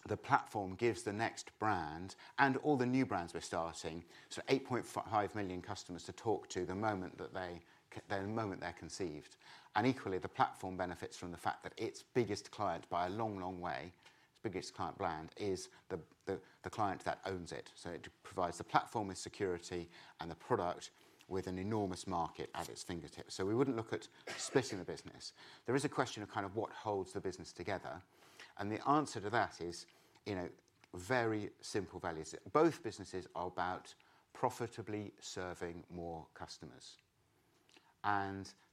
The platform gives the Next brand and all the new brands we are starting sort of 8.5 million customers to talk to the moment they are conceived. Equally, the platform benefits from the fact that its biggest client by a long, long way, its biggest client brand, is the client that owns it. It provides the platform with security and the product with an enormous market at its fingertips. We would not look at splitting the business. There is a question of what holds the business together. The answer to that is very simple values. Both businesses are about profitably serving more customers.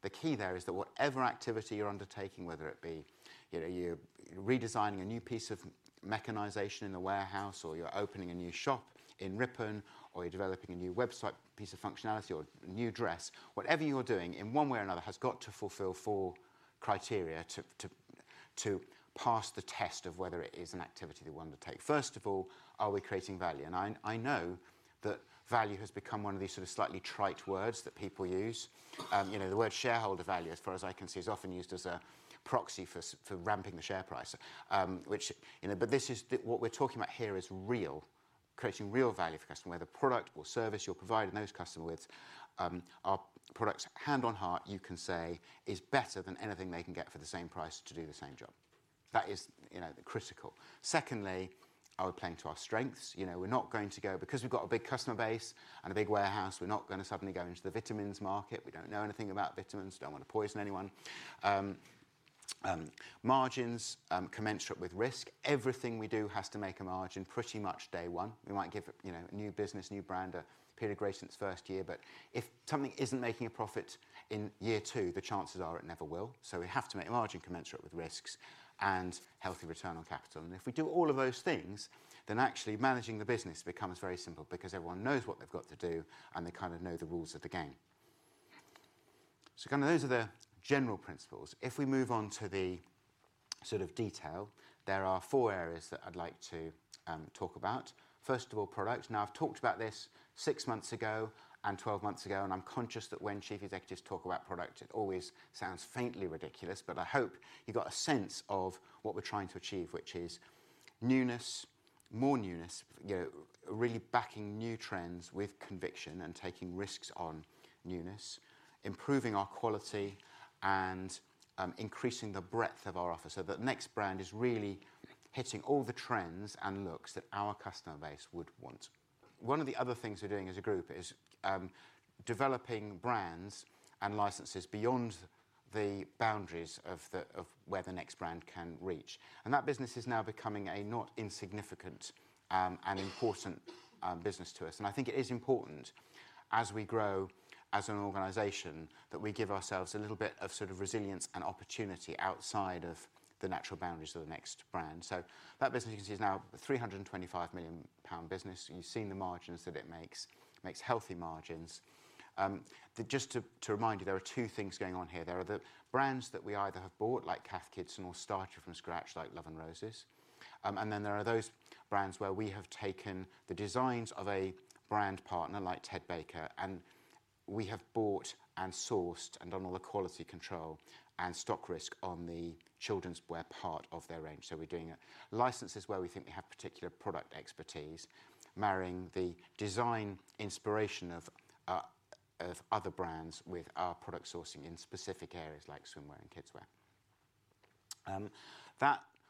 The key there is that whatever activity you're undertaking, whether it be you're redesigning a new piece of mechanization in the warehouse, or you're opening a new shop in Ripon, or you're developing a new website piece of functionality or new dress, whatever you're doing in one way or another has got to fulfill four criteria to pass the test of whether it is an activity that we want to take. First of all, are we creating value? I know that value has become one of these sort of slightly trite words that people use. The word shareholder value, as far as I can see, is often used as a proxy for ramping the share price. What we're talking about here is creating real value for customers, where the product or service you're providing those customers with, our products, hand on heart, you can say, is better than anything they can get for the same price to do the same job. That is critical. Secondly, are we playing to our strengths? We're not going to go, because we've got a big customer base and a big warehouse, we're not going to suddenly go into the vitamins market. We don't know anything about vitamins. Don't want to poison anyone. Margins commensurate with risk. Everything we do has to make a margin pretty much day one. We might give a new business, new brand a period of grace in its first year, but if something isn't making a profit in year two, the chances are it never will. We have to make a margin commensurate with risks and healthy return on capital. If we do all of those things, then actually managing the business becomes very simple because everyone knows what they've got to do and they kind of know the rules of the game. Kind of those are the general principles. If we move on to the sort of detail, there are four areas that I'd like to talk about. First of all, products. Now, I've talked about this six months ago and 12 months ago, and I'm conscious that when chief executives talk about product, it always sounds faintly ridiculous, but I hope you've got a sense of what we're trying to achieve, which is newness, more newness, really backing new trends with conviction and taking risks on newness, improving our quality, and increasing the breadth of our offer so that Next brand is really hitting all the trends and looks that our customer base would want. One of the other things we're doing as a group is developing brands and licenses beyond the boundaries of where the Next brand can reach. That business is now becoming a not insignificant and important business to us. I think it is important, as we grow as an organization, that we give ourselves a little bit of sort of resilience and opportunity outside of the natural boundaries of the Next brand. That business, you can see, is now a 325 million pound business. You've seen the margins that it makes, makes healthy margins. Just to remind you, there are two things going on here. There are the brands that we either have bought, like Cath Kidston, or started from scratch, like Love & Roses. Then there are those brands where we have taken the designs of a brand partner, like Ted Baker, and we have bought and sourced and done all the quality control and stock risk on the children's wear part of their range. We're doing licenses where we think we have particular product expertise, marrying the design inspiration of other brands with our product sourcing in specific areas like swimwear and kidswear.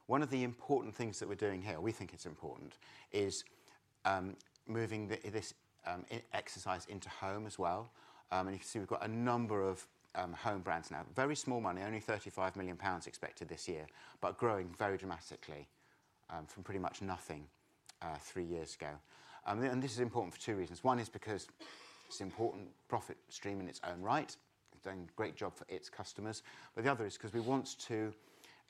One of the important things that we're doing here, we think it's important, is moving this exercise into home as well. You can see we've got a number of home brands now. Very small money, only 35 million pounds expected this year, but growing very dramatically from pretty much nothing three years ago. This is important for two reasons. One is because it's an important profit stream in its own right, doing a great job for its customers. The other is because we want to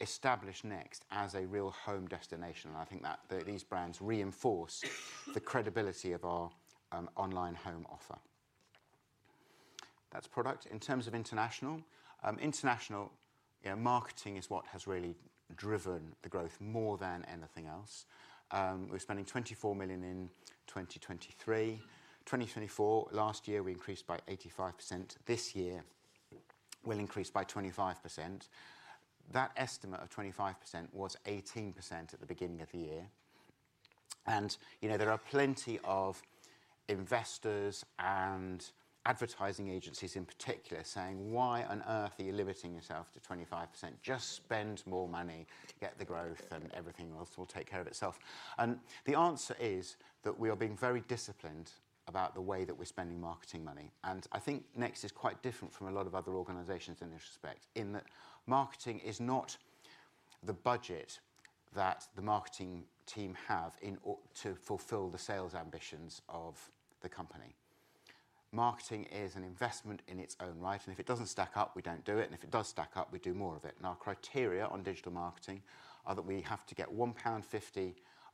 establish Next as a real home destination. I think that these brands reinforce the credibility of our online home offer. That's product. In terms of international, international marketing is what has really driven the growth more than anything else. We're spending 24 million in 2023. In 2024, last year, we increased by 85%. This year, we'll increase by 25%. That estimate of 25% was 18% at the beginning of the year. There are plenty of investors and advertising agencies in particular saying, "Why on earth are you limiting yourself to 25%? Just spend more money, get the growth, and everything else will take care of itself." The answer is that we are being very disciplined about the way that we're spending marketing money. I think Next is quite different from a lot of other organizations in this respect in that marketing is not the budget that the marketing team have to fulfill the sales ambitions of the company. Marketing is an investment in its own right. If it does not stack up, we do not do it. If it does stack up, we do more of it. Our criteria on digital marketing are that we have to get 1.50 pound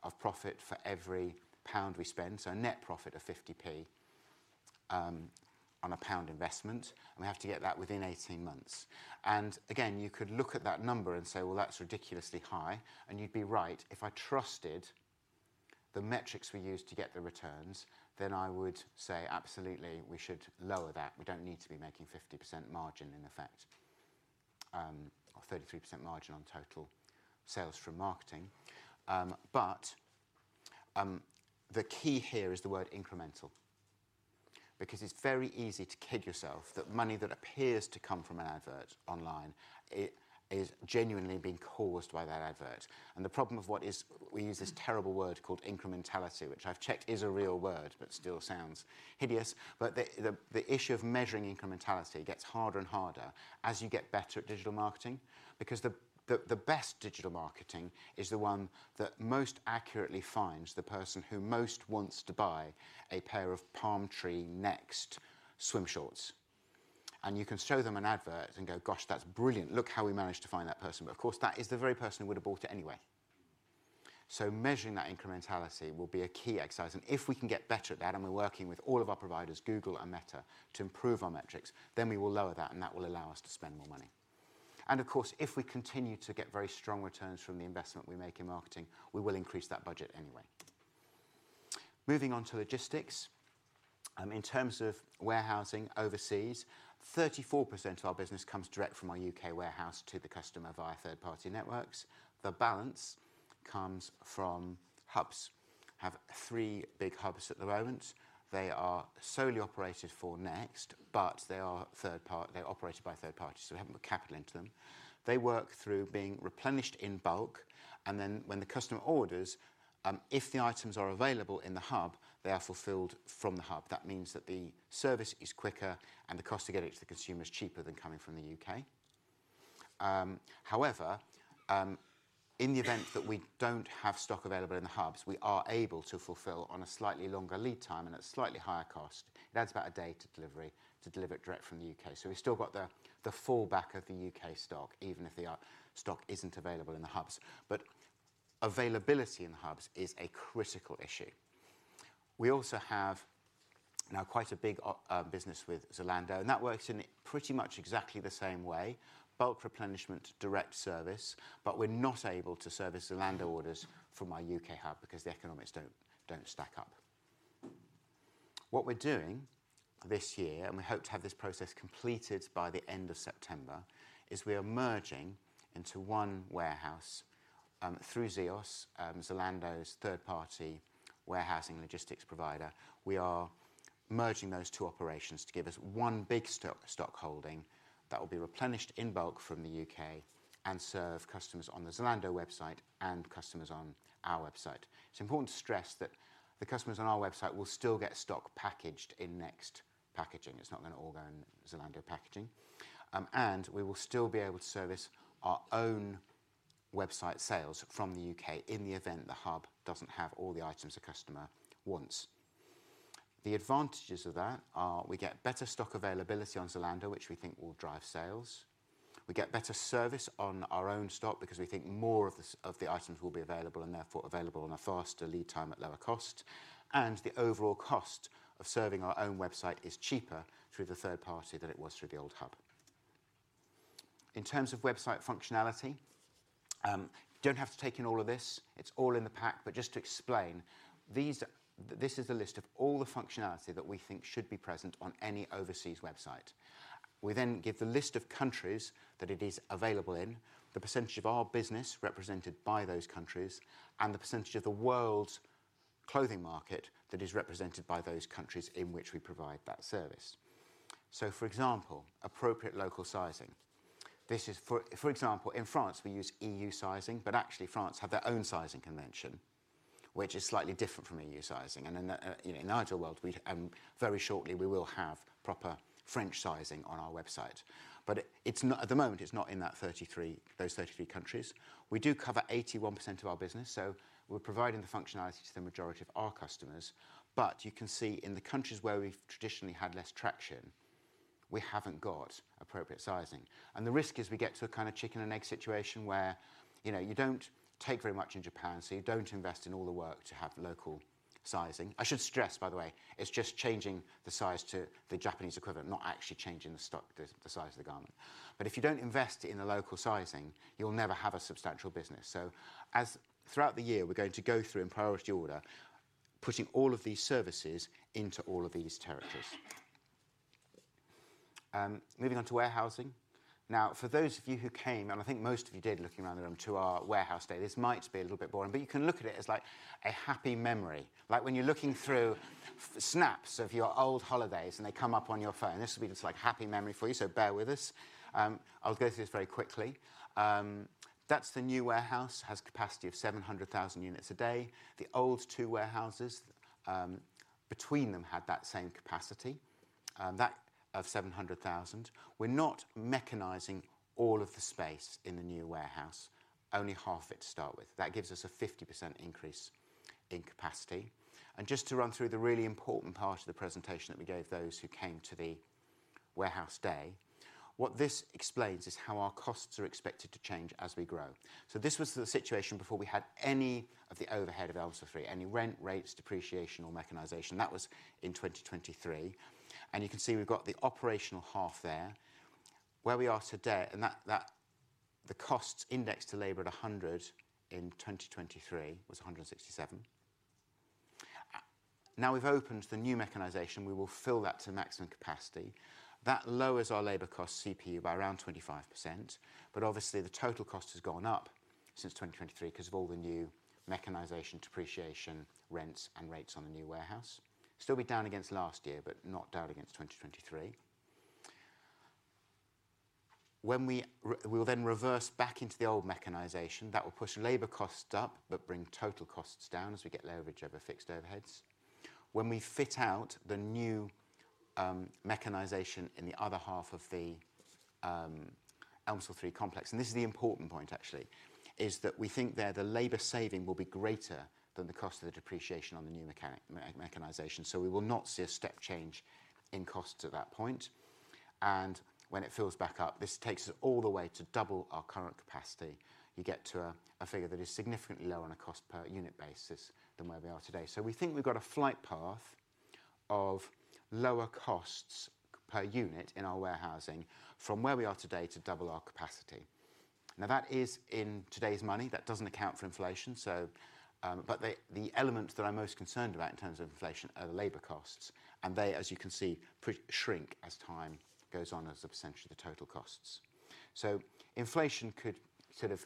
of profit for every pound we spend, so a net profit of 0.50 on a pound investment. We have to get that within 18 months. You could look at that number and say, "That is ridiculously high." You would be right. If I trusted the metrics we use to get the returns, then I would say, "Absolutely, we should lower that. We do not need to be making 50% margin in effect or 33% margin on total sales from marketing." The key here is the word incremental because it is very easy to kid yourself that money that appears to come from an advert online is genuinely being caused by that advert. The problem is we use this terrible word called incrementality, which I have checked is a real word, but still sounds hideous. The issue of measuring incrementality gets harder and harder as you get better at digital marketing because the best digital marketing is the one that most accurately finds the person who most wants to buy a pair of Palm Tree Next Swim Shorts. You can show them an advert and go, "Gosh, that is brilliant. Look how we managed to find that person." Of course, that is the very person who would have bought it anyway. Measuring that incrementality will be a key exercise. If we can get better at that, and we are working with all of our providers, Google and Meta, to improve our metrics, we will lower that, and that will allow us to spend more money. Of course, if we continue to get very strong returns from the investment we make in marketing, we will increase that budget anyway. Moving on to logistics. In terms of warehousing overseas, 34% of our business comes direct from our U.K. warehouse to the customer via third-party networks. The balance comes from hubs. We have three big hubs at the moment. They are solely operated for Next, but they are operated by third parties, so we have not put capital into them. They work through being replenished in bulk. When the customer orders, if the items are available in the hub, they are fulfilled from the hub. That means that the service is quicker, and the cost to get it to the consumer is cheaper than coming from the U.K. However, in the event that we do not have stock available in the hubs, we are able to fulfill on a slightly longer lead time and at slightly higher cost. It adds about a day to delivery to deliver it direct from the U.K. We have still got the fallback of the U.K. stock, even if the stock is not available in the hubs. Availability in the hubs is a critical issue. We also have now quite a big business with Zalando, and that works in pretty much exactly the same way, bulk replenishment, direct service. We are not able to service Zalando orders from our U.K. hub because the economics do not stack up. What we are doing this year, and we hope to have this process completed by the end of September, is we are merging into one warehouse through ZEOS, Zalando's third-party warehousing logistics provider. We are merging those two operations to give us one big stock holding that will be replenished in bulk from the U.K. and serve customers on the Zalando website and customers on our website. It's important to stress that the customers on our website will still get stock packaged in Next packaging. It's not going to all go in Zalando packaging. We will still be able to service our own website sales from the U.K. in the event the hub doesn't have all the items the customer wants. The advantages of that are we get better stock availability on Zalando, which we think will drive sales. We get better service on our own stock because we think more of the items will be available and therefore available on a faster lead time at lower cost. The overall cost of serving our own website is cheaper through the third party than it was through the old hub. In terms of website functionality, you do not have to take in all of this. It is all in the pack. Just to explain, this is the list of all the functionality that we think should be present on any overseas website. We then give the list of countries that it is available in, the % of our business represented by those countries, and the % of the world's clothing market that is represented by those countries in which we provide that service. For example, appropriate local sizing. For example, in France, we use EU sizing, but actually, France has their own sizing convention, which is slightly different from EU sizing. In our world, very shortly, we will have proper French sizing on our website. At the moment, it's not in those 33 countries. We do cover 81% of our business, so we're providing the functionality to the majority of our customers. You can see in the countries where we've traditionally had less traction, we haven't got appropriate sizing. The risk is we get to a kind of chicken and egg situation where you don't take very much in Japan, so you don't invest in all the work to have local sizing. I should stress, by the way, it's just changing the size to the Japanese equivalent, not actually changing the size of the garment. If you don't invest in the local sizing, you'll never have a substantial business. Throughout the year, we're going to go through in priority order, putting all of these services into all of these territories. Moving on to warehousing. Now, for those of you who came, and I think most of you did looking around the room, to our warehouse today, this might be a little bit boring, but you can look at it as a happy memory. Like when you're looking through snaps of your old holidays and they come up on your phone, this will be just like a happy memory for you, so bear with us. I'll go through this very quickly. That's the new warehouse, has a capacity of 700,000 units a day. The old two warehouses, between them, had that same capacity of 700,000 units. We're not mechanizing all of the space in the new warehouse, only half of it to start with. That gives us a 50% increase in capacity. Just to run through the really important part of the presentation that we gave those who came to the warehouse day, what this explains is how our costs are expected to change as we grow. This was the situation before we had any of the overhead of Elmsall 3, any rent rates, depreciation, or mechanization. That was in 2023. You can see we have the operational half there, where we are today. The costs indexed to labor at 100 in 2023 was 167. Now we have opened the new mechanization. We will fill that to maximum capacity. That lowers our labor cost CPU by around 25%. Obviously, the total cost has gone up since 2023 because of all the new mechanization, depreciation, rents, and rates on the new warehouse. Still be down against last year, but not down against 2023. We will then reverse back into the old mechanization. That will push labor costs up but bring total costs down as we get leverage over fixed overheads. When we fit out the new mechanization in the other half of the Elmsall 3 complex, and this is the important point, actually, is that we think there the labor saving will be greater than the cost of the depreciation on the new mechanization. We will not see a step change in costs at that point. When it fills back up, this takes us all the way to double our current capacity. You get to a figure that is significantly lower on a cost per unit basis than where we are today. We think we've got a flight path of lower costs per unit in our warehousing from where we are today to double our capacity. Now, that is in today's money. That does not account for inflation. The elements that I am most concerned about in terms of inflation are the labor costs. They, as you can see, shrink as time goes on as essentially the total costs. Inflation could sort of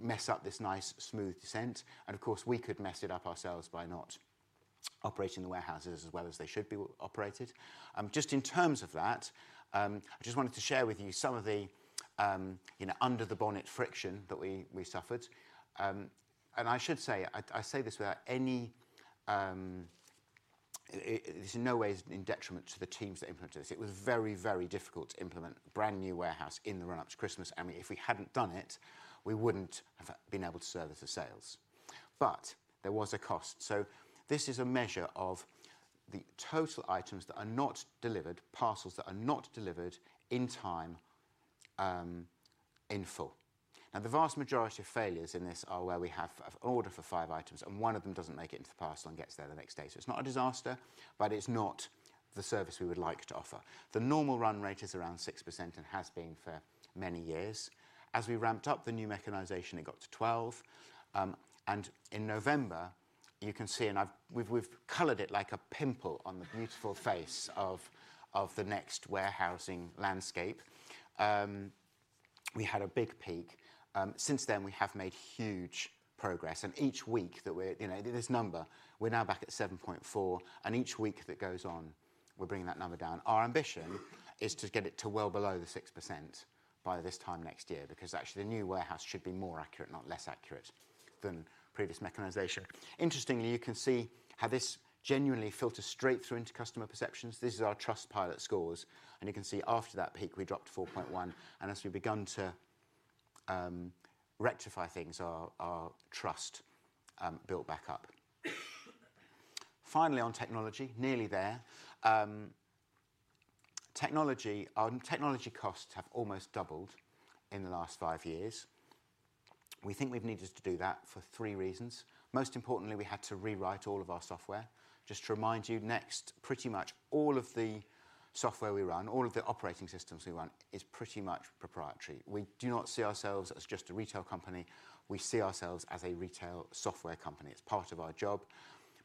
mess up this nice smooth descent. Of course, we could mess it up ourselves by not operating the warehouses as well as they should be operated. Just in terms of that, I just wanted to share with you some of the under-the-bonnet friction that we suffered. I should say, I say this without any, this is in no way in detriment to the teams that implemented this. It was very, very difficult to implement a brand new warehouse in the run-up to Christmas. If we had not done it, we would not have been able to service the sales. There was a cost. This is a measure of the total items that are not delivered, parcels that are not delivered in time in full. Now, the vast majority of failures in this are where we have an order for five items, and one of them does not make it into the parcel and gets there the next day. It is not a disaster, but it is not the service we would like to offer. The normal run rate is around 6% and has been for many years. As we ramped up the new mechanization, it got to 12%. In November, you can see, and we have colored it like a pimple on the beautiful face of the Next warehousing landscape, we had a big peak. Since then, we have made huge progress. Each week that we are this number, we are now back at 7.4%. Each week that goes on, we're bringing that number down. Our ambition is to get it to well below 6% by this time next year because actually, the new warehouse should be more accurate, not less accurate than previous mechanization. Interestingly, you can see how this genuinely filters straight through into customer perceptions. This is our Trustpilot scores. You can see after that peak, we dropped to 4.1. As we've begun to rectify things, our trust built back up. Finally, on technology, nearly there. Technology costs have almost doubled in the last five years. We think we've needed to do that for three reasons. Most importantly, we had to rewrite all of our software. Just to remind you, Next, pretty much all of the software we run, all of the operating systems we run, is pretty much proprietary. We do not see ourselves as just a retail company. We see ourselves as a retail software company. It's part of our job.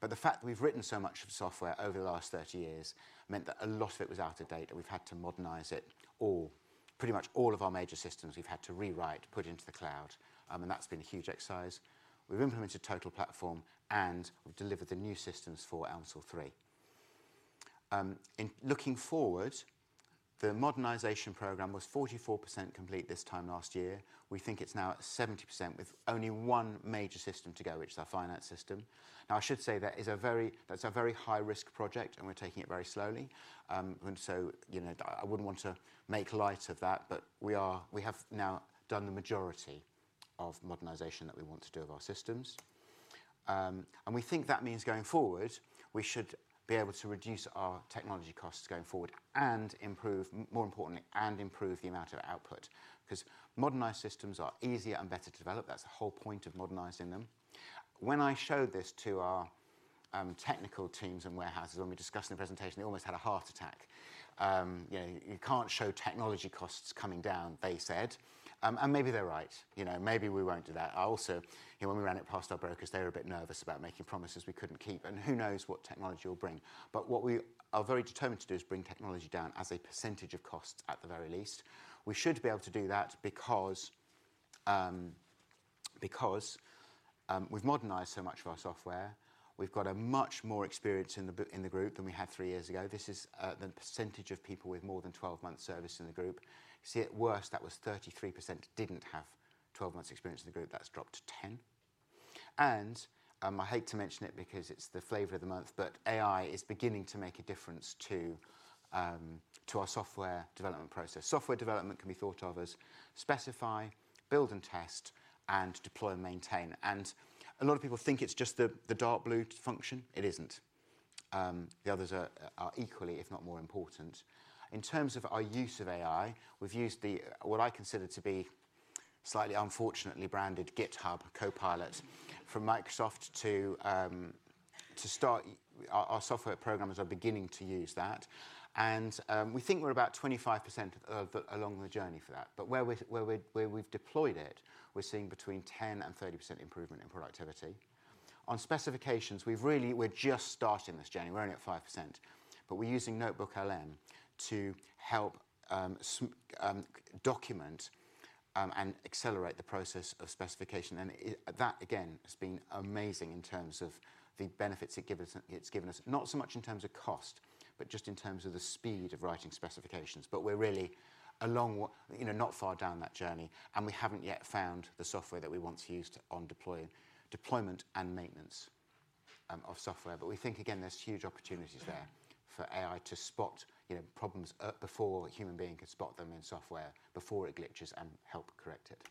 The fact that we've written so much software over the last 30 years meant that a lot of it was out of date. We've had to modernize it. Pretty much all of our major systems, we've had to rewrite, put into the cloud. That has been a huge exercise. We've implemented Total Platform, and we've delivered the new systems for Elmsall 3. Looking forward, the modernization program was 44% complete this time last year. We think it's now at 70% with only one major system to go, which is our finance system. I should say that is a very high-risk project, and we're taking it very slowly. I would not want to make light of that, but we have now done the majority of modernization that we want to do of our systems. We think that means going forward, we should be able to reduce our technology costs going forward and, more importantly, improve the amount of output because modernized systems are easier and better to develop. That is the whole point of modernizing them. When I showed this to our technical teams and warehouses, when we discussed in the presentation, they almost had a heart attack. "You cannot show technology costs coming down," they said. Maybe they are right. Maybe we will not do that. Also, when we ran it past our brokers, they were a bit nervous about making promises we could not keep. Who knows what technology will bring. What we are very determined to do is bring technology down as a percentage of costs at the very least. We should be able to do that because we've modernized so much of our software. We've got much more experience in the group than we had three years ago. This is the percentage of people with more than 12 months' service in the group. You see, at worst, that was 33% didn't have 12 months' experience in the group. That's dropped to 10%. I hate to mention it because it's the flavor of the month, but AI is beginning to make a difference to our software development process. Software development can be thought of as specify, build and test, and deploy and maintain. A lot of people think it's just the dark-blue function. It isn't. The others are equally, if not more, important. In terms of our use of AI, we've used what I consider to be slightly unfortunately branded GitHub Copilot from Microsoft to start. Our software programmers are beginning to use that. We think we're about 25% along the journey for that. Where we've deployed it, we're seeing between 10% and 30% improvement in productivity. On specifications, we're just starting this journey. We're only at 5%. We're using NotebookLM to help document and accelerate the process of specification. That, again, has been amazing in terms of the benefits it's given us. Not so much in terms of cost, just in terms of the speed of writing specifications. We're really not far down that journey. We haven't yet found the software that we want to use on deployment and maintenance of software. We think, again, there's huge opportunities there for AI to spot problems before a human being can spot them in software, before it glitches and help correct it.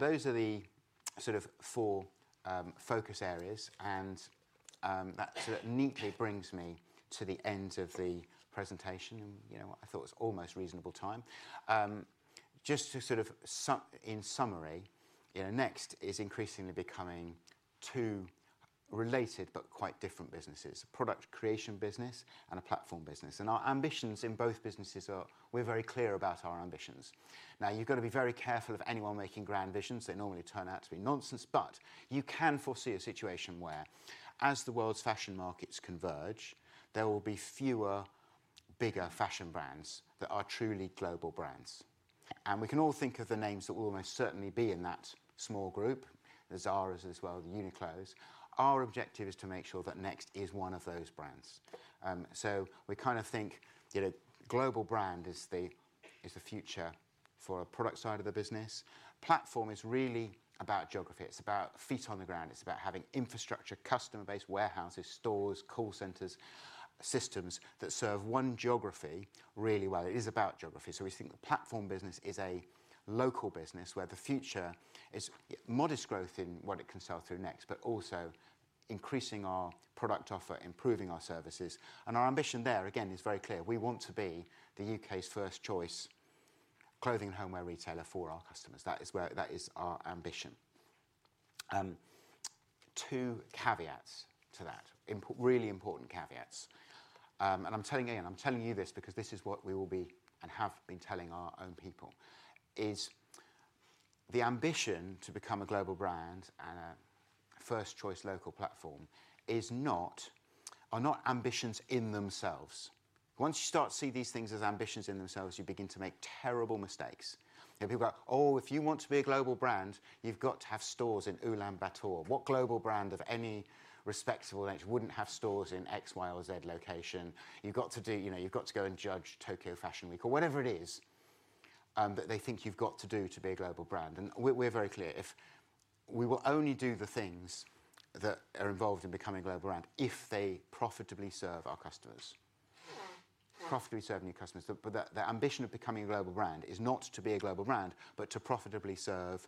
Those are the sort of four focus areas. That sort of neatly brings me to the end of the presentation. I thought it was almost reasonable time. Just to sort of in summary, Next is increasingly becoming two related but quite different businesses: a product creation business and a platform business. Our ambitions in both businesses are we're very clear about our ambitions. You have got to be very careful of anyone making grand visions. They normally turn out to be nonsense. You can foresee a situation where, as the world's fashion markets converge, there will be fewer bigger fashion brands that are truly global brands. We can all think of the names that will almost certainly be in that small group. There's Zaras as well, the Uniqlos. Our objective is to make sure that Next is one of those brands. We kind of think global brand is the future for our product side of the business. Platform is really about geography. It's about feet on the ground. It's about having infrastructure, customer-based warehouses, stores, call centers, systems that serve one geography really well. It is about geography. We think the platform business is a local business where the future is modest growth in what it can sell through Next, but also increasing our product offer, improving our services. Our ambition there, again, is very clear. We want to be the U.K.'s first choice clothing and homeware retailer for our customers. That is our ambition. Two caveats to that, really important caveats. I am telling you this because this is what we will be and have been telling our own people, the ambition to become a global brand and a first choice local platform are not ambitions in themselves. Once you start to see these things as ambitions in themselves, you begin to make terrible mistakes. People go, "Oh, if you want to be a global brand, you've got to have stores in Ulaanbaatar. What global brand of any respectable Next wouldn't have stores in X, Y, or Z location?" You have to go and judge Tokyo Fashion Week or whatever it is that they think you have to do to be a global brand. We are very clear. We will only do the things that are involved in becoming a global brand if they profitably serve our customers, profitably serve new customers. The ambition of becoming a global brand is not to be a global brand, but to profitably serve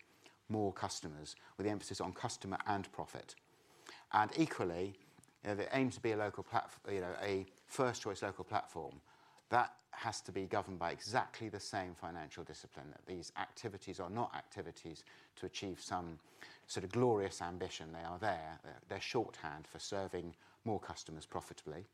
more customers with the emphasis on customer and profit. Equally, if it aims to be a first choice local platform, that has to be governed by exactly the same financial discipline that these activities are not activities to achieve some sort of glorious ambition. They are there. They're shorthand for serving more customers profitably.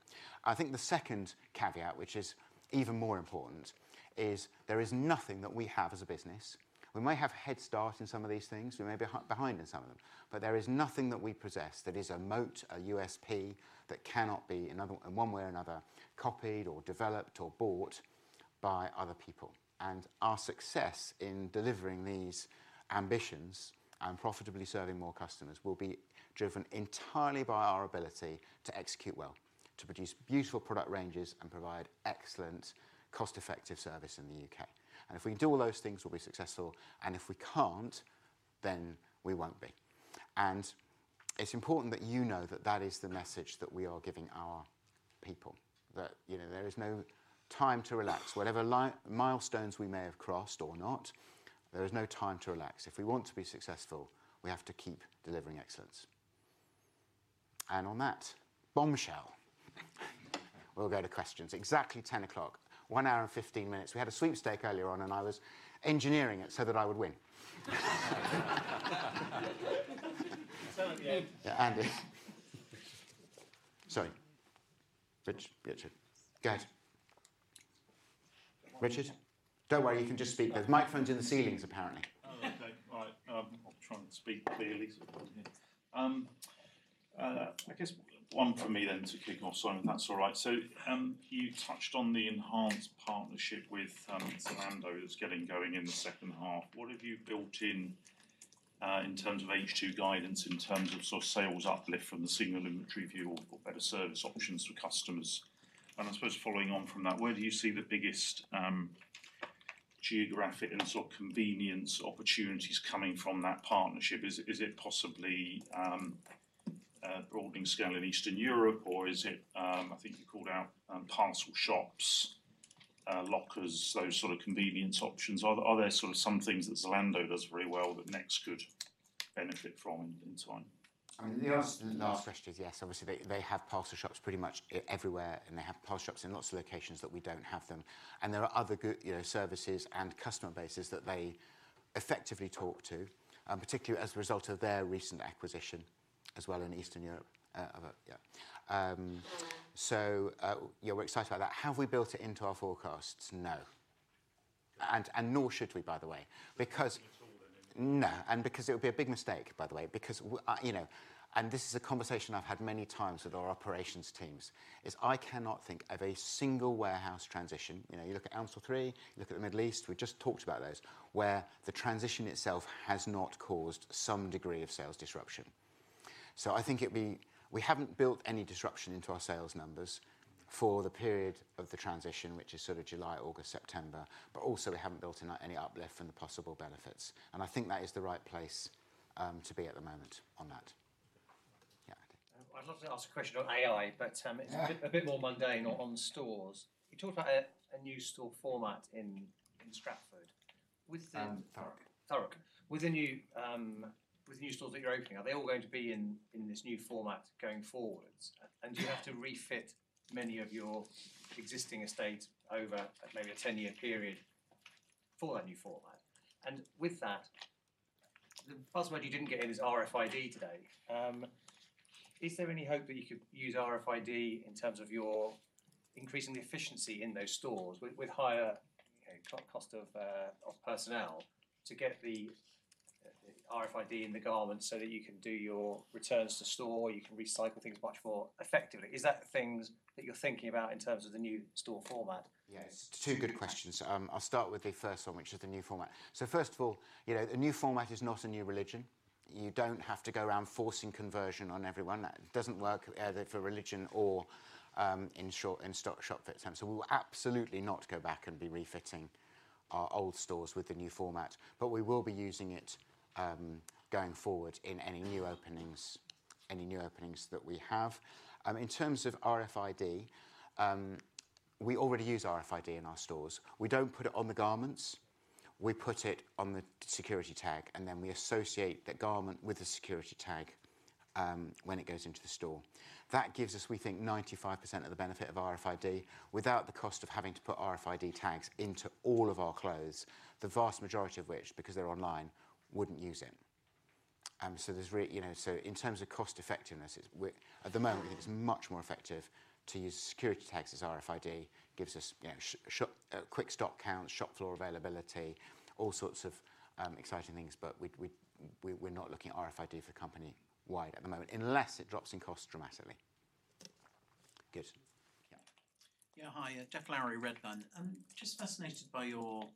I think the second caveat, which is even more important, is there is nothing that we have as a business. We may have a head start in some of these things. We may be behind in some of them. There is nothing that we possess that is a moat, a USP that cannot be in one way or another copied or developed or bought by other people. Our success in delivering these ambitions and profitably serving more customers will be driven entirely by our ability to execute well, to produce beautiful product ranges, and provide excellent cost-effective service in the U.K. If we can do all those things, we will be successful. If we cannot, then we will not be. It is important that you know that that is the message that we are giving our people, that there is no time to relax. Whatever milestones we may have crossed or not, there is no time to relax. If we want to be successful, we have to keep delivering excellence. On that bombshell, we will go to questions. Exactly 10:00 A.M., one hour and 15 minutes. We had a sweepstake earlier on, and I was engineering it so that I would win. Sorry. Richard. Go ahead. Richard? Do not worry. You can just speak. There are microphones in the ceilings, apparently.
Oh, okay. All right. I'll try and speak clearly. I guess one for me then to kick off, sorry if that's all right. You touched on the enhanced partnership with Zalando that's getting going in the second half. What have you built in in terms of H2 guidance, in terms of sort of sales uplift from the single inventory view or better service options for customers? I suppose following on from that, where do you see the biggest geographic and sort of convenience opportunities coming from that partnership? Is it possibly broadening scale in Eastern Europe, or is it, I think you called out parcel shops, lockers, those sort of convenience options? Are there sort of some things that Zalando does very well that Next could benefit from in time?
The last question is yes. Obviously, they have parcel shops pretty much everywhere, and they have parcel shops in lots of locations that we do not have them. There are other services and customer bases that they effectively talk to, particularly as a result of their recent acquisition as well in Eastern Europe. We are excited about that. Have we built it into our forecasts? No. Nor should we, by the way, because no. It would be a big mistake, by the way, because this is a conversation I have had many times with our operations teams. I cannot think of a single warehouse transition. You look at Elmsall 3, you look at the Middle East. We just talked about those where the transition itself has not caused some degree of sales disruption. I think we haven't built any disruption into our sales numbers for the period of the transition, which is sort of July, August, September. Also, we haven't built in any uplift from the possible benefits. I think that is the right place to be at the moment on that. Yeah.
I'd love to ask a question on AI, but it's a bit more mundane or on stores. You talked about a new store format in Stratford.
Thurrock.
Thurrock. With the new stores that you're opening, are they all going to be in this new format going forwards? Do you have to refit many of your existing estate over maybe a 10-year period for that new format? With that, the buzzword you didn't get in is RFID today. Is there any hope that you could use RFID in terms of your increasing the efficiency in those stores with higher cost of personnel to get the RFID in the garment so that you can do your returns to store, you can recycle things much more effectively? Is that things that you're thinking about in terms of the new store format?
Yes. Two good questions. I'll start with the first one, which is the new format. First of all, the new format is not a new religion. You don't have to go around forcing conversion on everyone. That doesn't work either for religion or in short shop fit time. We will absolutely not go back and be refitting our old stores with the new format. We will be using it going forward in any new openings that we have. In terms of RFID, we already use RFID in our stores. We do not put it on the garments. We put it on the security tag, and then we associate that garment with the security tag when it goes into the store. That gives us, we think, 95% of the benefit of RFID without the cost of having to put RFID tags into all of our clothes, the vast majority of which, because they are online, would not use it. In terms of cost-effectiveness, at the moment, we think it is much more effective to use security tags as RFID gives us quick stock counts, shop floor availability, all sorts of exciting things. We are not looking at RFID for company-wide at the moment unless it drops in costs dramatically. Good.
Yeah. Hi. Geoff Lowery, Redburn. Just fascinated by your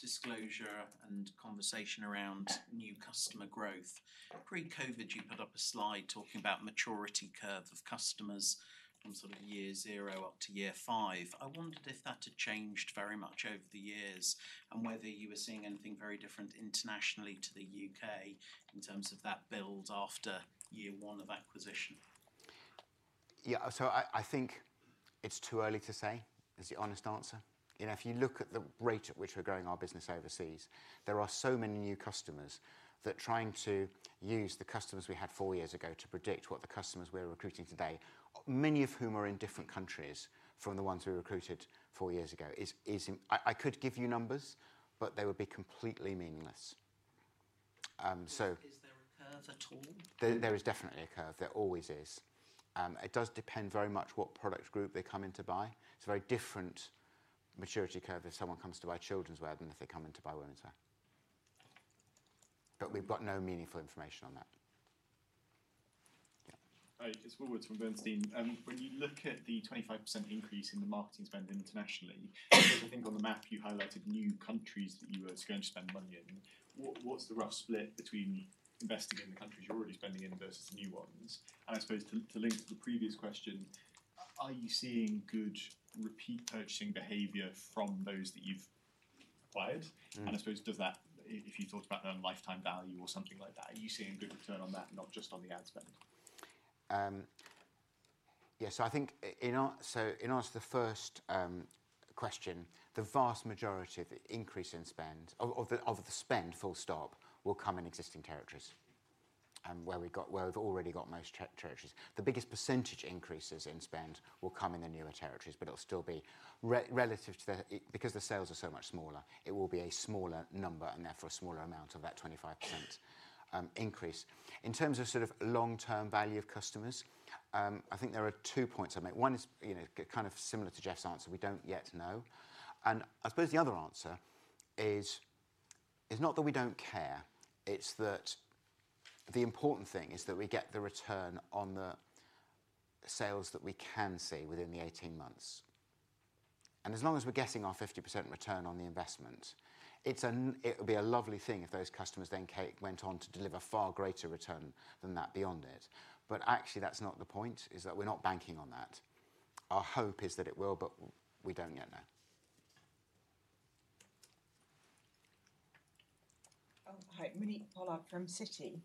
disclosure and conversation around new customer growth. Pre-COVID, you put up a slide talking about maturity curve of customers from sort of year zero up to year five. I wondered if that had changed very much over the years and whether you were seeing anything very different internationally to the U.K. in terms of that build after year one of acquisition.
Yeah. I think it's too early to say is the honest answer. If you look at the rate at which we're growing our business overseas, there are so many new customers that trying to use the customers we had four years ago to predict what the customers we're recruiting today, many of whom are in different countries from the ones we recruited four years ago, I could give you numbers, but they would be completely meaningless.
Is there a curve at all? There is definitely a curve. There always is. It does depend very much what product group they come in to buy. It's a very different maturity curve if someone comes to buy children's wear than if they come in to buy women's wear. We have no meaningful information on that. Yeah.
It's Will Woods from Bernstein. When you look at the 25% increase in the marketing spend internationally, I think on the map you highlighted new countries that you were going to spend money in. What's the rough split between investing in the countries you're already spending in versus the new ones? I suppose to link to the previous question, are you seeing good repeat purchasing behavior from those that you've acquired? I suppose does that, if you thought about their lifetime value or something like that, are you seeing a good return on that, not just on the ad spend?
Yeah. I think in answer to the first question, the vast majority of the increase in spend, of the spend, full stop, will come in existing territories where we've already got most territories. The biggest percentage increases in spend will come in the newer territories, but it'll still be relative to the because the sales are so much smaller, it will be a smaller number and therefore a smaller amount of that 25% increase. In terms of sort of long-term value of customers, I think there are two points I make. One is kind of similar to Geoff answer. We don't yet know. I suppose the other answer is not that we don't care. It's that the important thing is that we get the return on the sales that we can see within the 18 months. As long as we're getting our 50% return on the investment, it would be a lovely thing if those customers then went on to deliver far greater return than that beyond it. Actually, that's not the point, is that we're not banking on that. Our hope is that it will, but we don't yet know.
Oh, hi. Monique Pollard from Citi.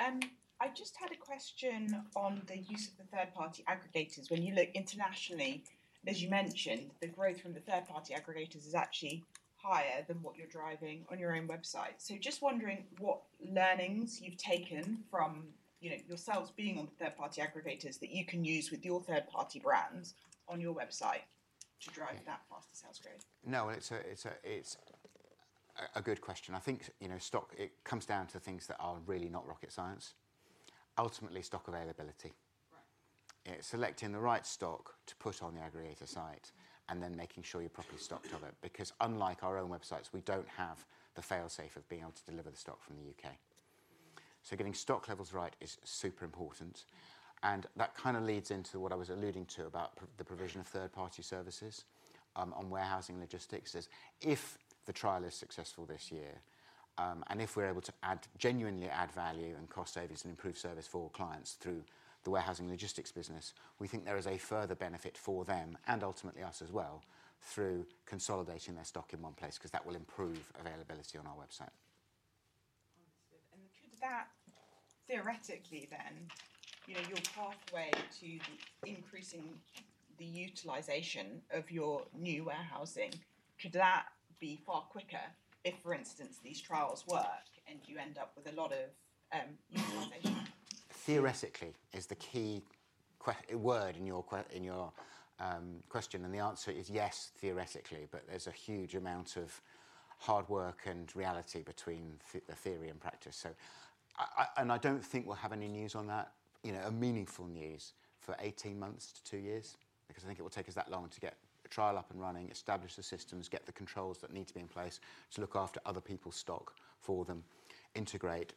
I just had a question on the use of the third-party aggregators. When you look internationally, as you mentioned, the growth from the third-party aggregators is actually higher than what you're driving on your own website. Just wondering what learnings you've taken from yourselves being on the third-party aggregators that you can use with your third-party brands on your website to drive that faster sales growth.
No. It's a good question. I think stock, it comes down to things that are really not rocket science. Ultimately, stock availability. Selecting the right stock to put on the aggregator site and then making sure you're properly stocked of it. Because unlike our own websites, we don't have the fail-safe of being able to deliver the stock from the U.K. Getting stock levels right is super important. That kind of leads into what I was alluding to about the provision of third-party services on warehousing logistics. If the trial is successful this year and if we're able to genuinely add value and cost savings and improve service for clients through the warehousing logistics business, we think there is a further benefit for them and ultimately us as well through consolidating their stock in one place because that will improve availability on our website.
Could that theoretically then your pathway to increasing the utilization of your new warehousing, could that be far quicker if, for instance, these trials work and you end up with a lot of utilization?
Theoretically is the key word in your question. The answer is yes, theoretically. There is a huge amount of hard work and reality between the theory and practice. I do not think we will have any news on that, meaningful news for 18 months to two years because I think it will take us that long to get a trial up and running, establish the systems, get the controls that need to be in place, to look after other people's stock for them, integrate,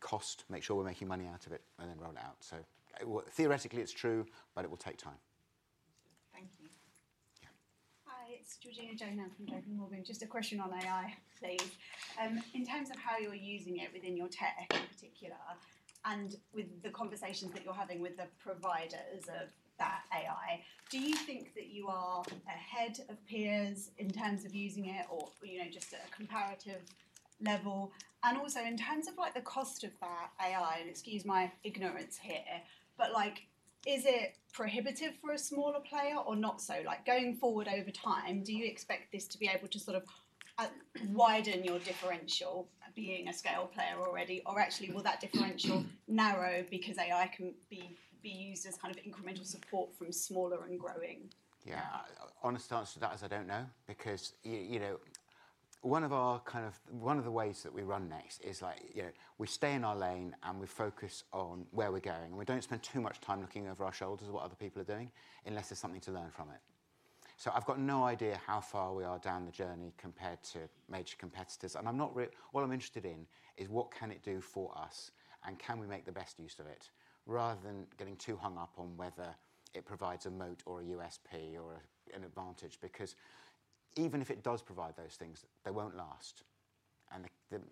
cost, make sure we are making money out of it, and then roll it out. Theoretically, it is true, but it will take time.
Thank you.
Hi. It is Georgina Johanan from J.P. Morgan. Just a question on AI stage. In terms of how you're using it within your tech in particular and with the conversations that you're having with the providers of that AI, do you think that you are ahead of peers in terms of using it or just at a comparative level? Also, in terms of the cost of that AI, and excuse my ignorance here, but is it prohibitive for a smaller player or not so? Going forward over time, do you expect this to be able to sort of widen your differential being a scale player already? Or actually, will that differential narrow because AI can be used as kind of incremental support from smaller and growing?
Yeah. Honest answer to that is I don't know because one of our kind of one of the ways that we run Next is we stay in our lane and we focus on where we're going. We don't spend too much time looking over our shoulders at what other people are doing unless there's something to learn from it. I've got no idea how far we are down the journey compared to major competitors. All I'm interested in is what can it do for us and can we make the best use of it rather than getting too hung up on whether it provides a moat or a USP or an advantage. Even if it does provide those things, they won't last.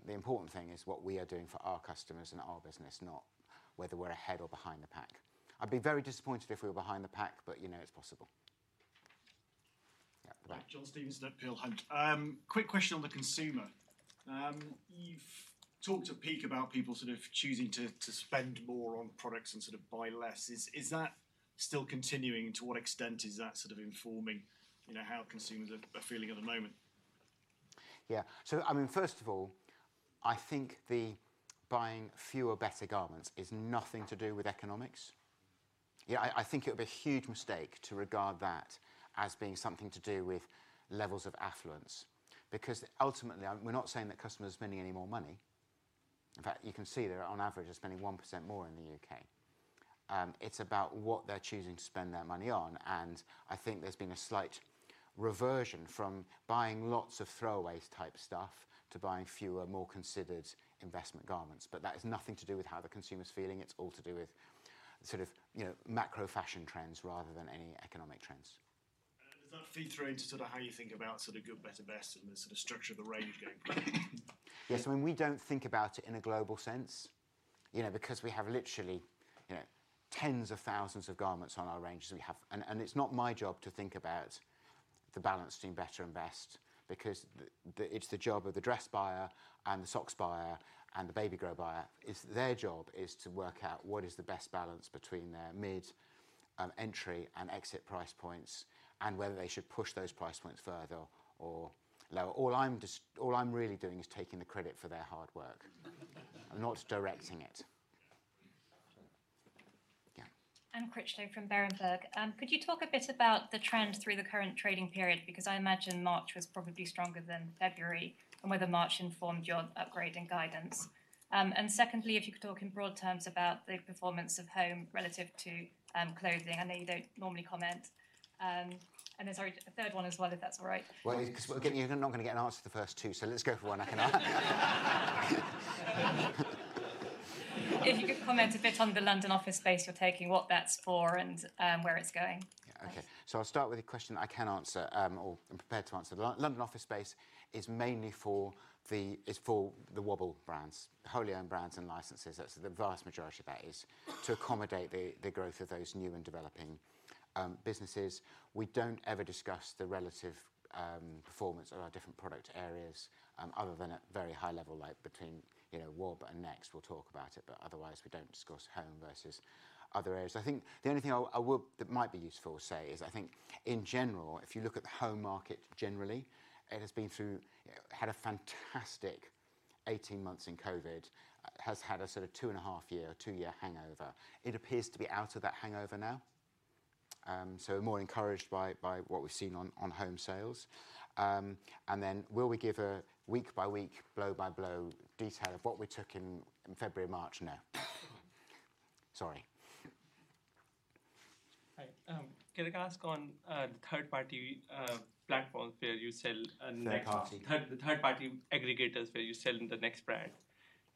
The important thing is what we are doing for our customers and our business, not whether we're ahead or behind the pack. I'd be very disappointed if we were behind the pack, but it's possible.
Yeah. John Stevenson, Peel Hunt. Quick question on the consumer. You've talked a peak about people sort of choosing to spend more on products and sort of buy less. Is that still continuing? To what extent is that sort of informing how consumers are feeling at the moment?
Yeah. I mean, first of all, I think the buying fewer, better garments is nothing to do with economics. I think it would be a huge mistake to regard that as being something to do with levels of affluence because ultimately, we're not saying that customers are spending any more money. In fact, you can see there on average, they're spending 1% more in the U.K. It's about what they're choosing to spend their money on. I think there's been a slight reversion from buying lots of throwaway type stuff to buying fewer, more considered investment garments. That has nothing to do with how the consumer's feeling. It's all to do with sort of macro fashion trends rather than any economic trends.
Does that feed through into sort of how you think about sort of good, better, best and the sort of structure of the range going forward?
Yes. I mean, we don't think about it in a global sense because we have literally tens of thousands of garments on our ranges. It's not my job to think about the balance between better and best because it's the job of the dress buyer and the socks buyer and the baby grow buyer. It's their job to work out what is the best balance between their mid-entry and exit price points and whether they should push those price points further or lower. All I'm really doing is taking the credit for their hard work and not directing it. Yeah.
I'm Critchlow from Berenberg. Could you talk a bit about the trend through the current trading period? Because I imagine March was probably stronger than February and whether March informed your upgrade and guidance. Secondly, if you could talk in broad terms about the performance of home relative to clothing. I know you don't normally comment. Sorry, a third one as well, if that's all right.
Again, you're not going to get an answer to the first two, so let's go for one. I can ask.
If you could comment a bit on the London office space you're taking, what that's for and where it's going.
Yeah. Okay. I’ll start with a question I can answer or am prepared to answer. London office space is mainly for the wholly owned brands and licenses. The vast majority of that is to accommodate the growth of those new and developing businesses. We don't ever discuss the relative performance of our different product areas other than at a very high level, like between wholly owned brands and Next, we'll talk about it. Otherwise, we don't discuss home versus other areas. I think the only thing that might be useful to say is I think in general, if you look at the home market generally, it has been through, had a fantastic 18 months in COVID, has had a sort of two and a half year, two-year hangover. It appears to be out of that hangover now, so we're more encouraged by what we've seen on home sales. Will we give a week-by-week, blow-by-blow detail of what we took in February and March? No. Sorry.
Hi. Can I ask on the third-party platforms where you sell? Third-party. The third-party aggregators where you sell in the Next brand.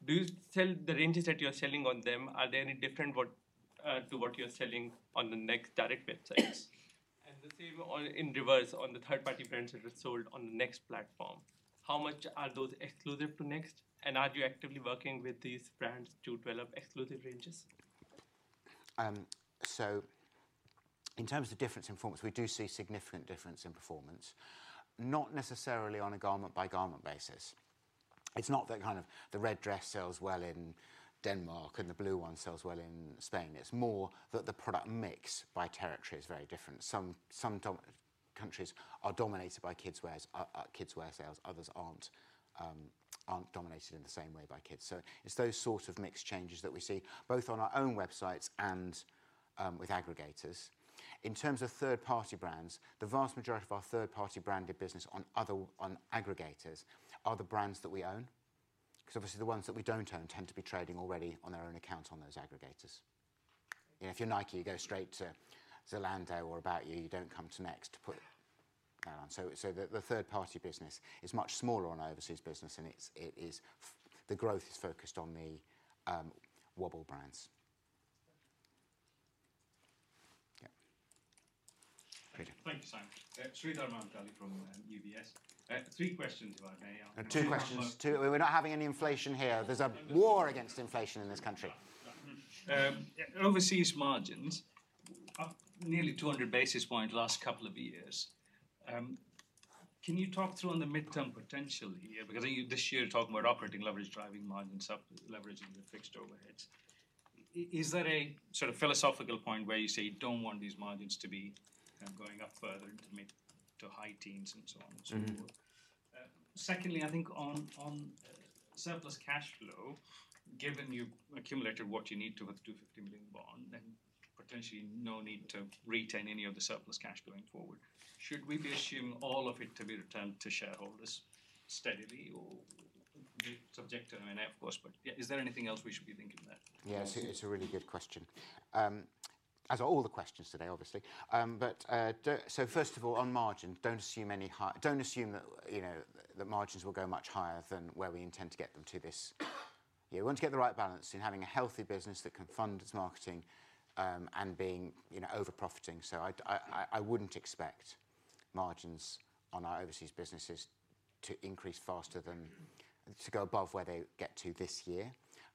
Do the ranges that you're selling on them, are they any different to what you're selling on the Next direct websites? The same in reverse on the third-party brands that are sold on the Next platform. How much are those exclusive to Next? Are you actively working with these brands to develop exclusive ranges?
In terms of difference in performance, we do see significant difference in performance, not necessarily on a garment-by-garment basis. It's not that kind of the red dress sells well in Denmark and the blue one sells well in Spain. It's more that the product mix by territory is very different. Some countries are dominated by kids' wear sales. Others aren't dominated in the same way by kids. It's those sort of mixed changes that we see both on our own websites and with aggregators. In terms of third-party brands, the vast majority of our third-party branded business on aggregators are the brands that we own because obviously the ones that we don't own tend to be trading already on their own accounts on those aggregators. If you're Nike, you go straight to Zalando or About You, you don't come to Next to put that on. The third-party business is much smaller on overseas business and the growth is focused on the [Wobble] brands. Yeah. Thank you.
Thank you Simon. Sreedhar Mahamkali from UBS. Three questions if I may.
Two questions. We're not having any inflation here. There's a war against inflation in this country.
Overseas margins, nearly 200 basis points last couple of years. Can you talk through on the midterm potential here? Because this year you're talking about operating leverage, driving margins, leveraging the fixed overheads. Is there a sort of philosophical point where you say you don't want these margins to be going up further into high teens and so on and so forth? Secondly, I think on surplus cash flow, given you've accumulated what you need to with a 250 million bond, then potentially no need to retain any of the surplus cash going forward. Should we be assuming all of it to be returned to shareholders steadily or subject to an NF cost? Is there anything else we should be thinking about?
Yeah. It's a really good question. As are all the questions today, obviously. First of all, on margins, don't assume that margins will go much higher than where we intend to get them to this year. We want to get the right balance in having a healthy business that can fund its marketing and being over-profiting. I wouldn't expect margins on our overseas businesses to increase faster than to go above where they get to this year.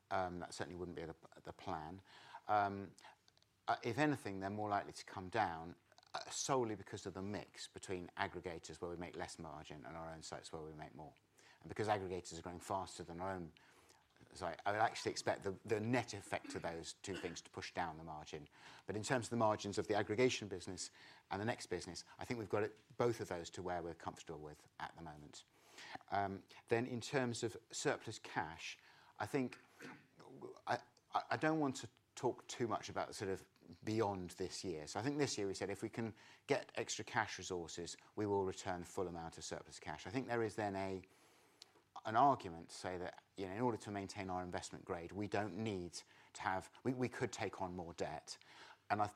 That certainly wouldn't be the plan. If anything, they're more likely to come down solely because of the mix between aggregators where we make less margin and our own sites where we make more. Because aggregators are going faster than our own, I would actually expect the net effect of those two things to push down the margin. In terms of the margins of the aggregation business and the Next business, I think we've got both of those to where we're comfortable with at the moment. In terms of surplus cash, I think I don't want to talk too much about sort of beyond this year. I think this year we said if we can get extra cash resources, we will return full amount of surplus cash. I think there is then an argument to say that in order to maintain our investment grade, we don't need to have we could take on more debt. I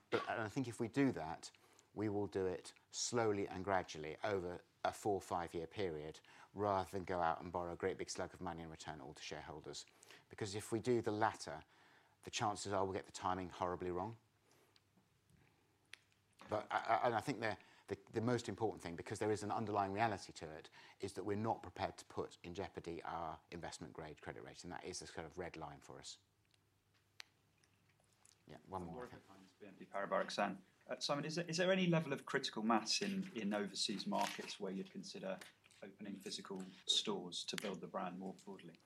think if we do that, we will do it slowly and gradually over a four or five-year period rather than go out and borrow a great big slug of money and return all to shareholders. Because if we do the latter, the chances are we'll get the timing horribly wrong. I think the most important thing, because there is an underlying reality to it, is that we're not prepared to put in jeopardy our investment-grade credit rates. That is a sort of red line for us. Yeah. One more.
The [parabolic sand]. Simon, is there any level of critical mass in overseas markets where you'd consider opening physical stores to build the brand more broadly?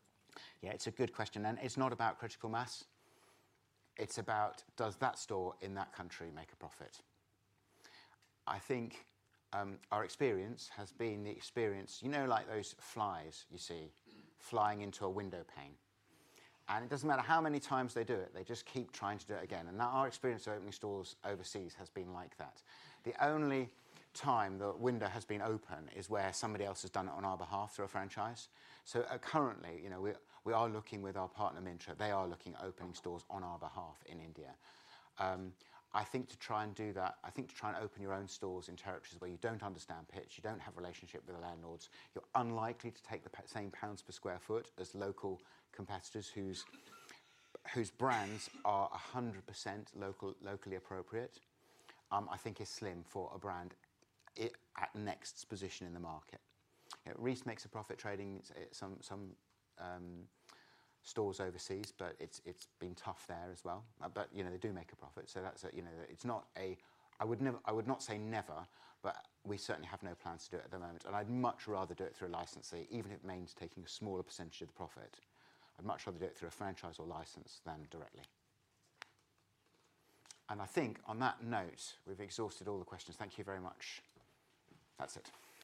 Yeah. It's a good question. It's not about critical mass. It's about does that store in that country make a profit? I think our experience has been the experience, you know, like those flies you see flying into a window pane. It doesn't matter how many times they do it. They just keep trying to do it again. Our experience of opening stores overseas has been like that. The only time the window has been open is where somebody else has done it on our behalf through a franchise. Currently, we are looking with our partner Myntra. They are looking at opening stores on our behalf in India. I think to try and do that, I think to try and open your own stores in territories where you do not understand pitch, you do not have a relationship with the landlords, you are unlikely to take the same GBP per sq ft as local competitors whose brands are 100% locally appropriate, I think is slim for a brand at Next's position in the market. Reiss makes a profit trading some stores overseas, but it has been tough there as well. They do make a profit. It is not a I would not say never, but we certainly have no plans to do it at the moment. I would much rather do it through a licensee, even if it means taking a smaller percentage of the profit. I would much rather do it through a franchise or license than directly. I think on that note, we have exhausted all the questions. Thank you very much. That is it.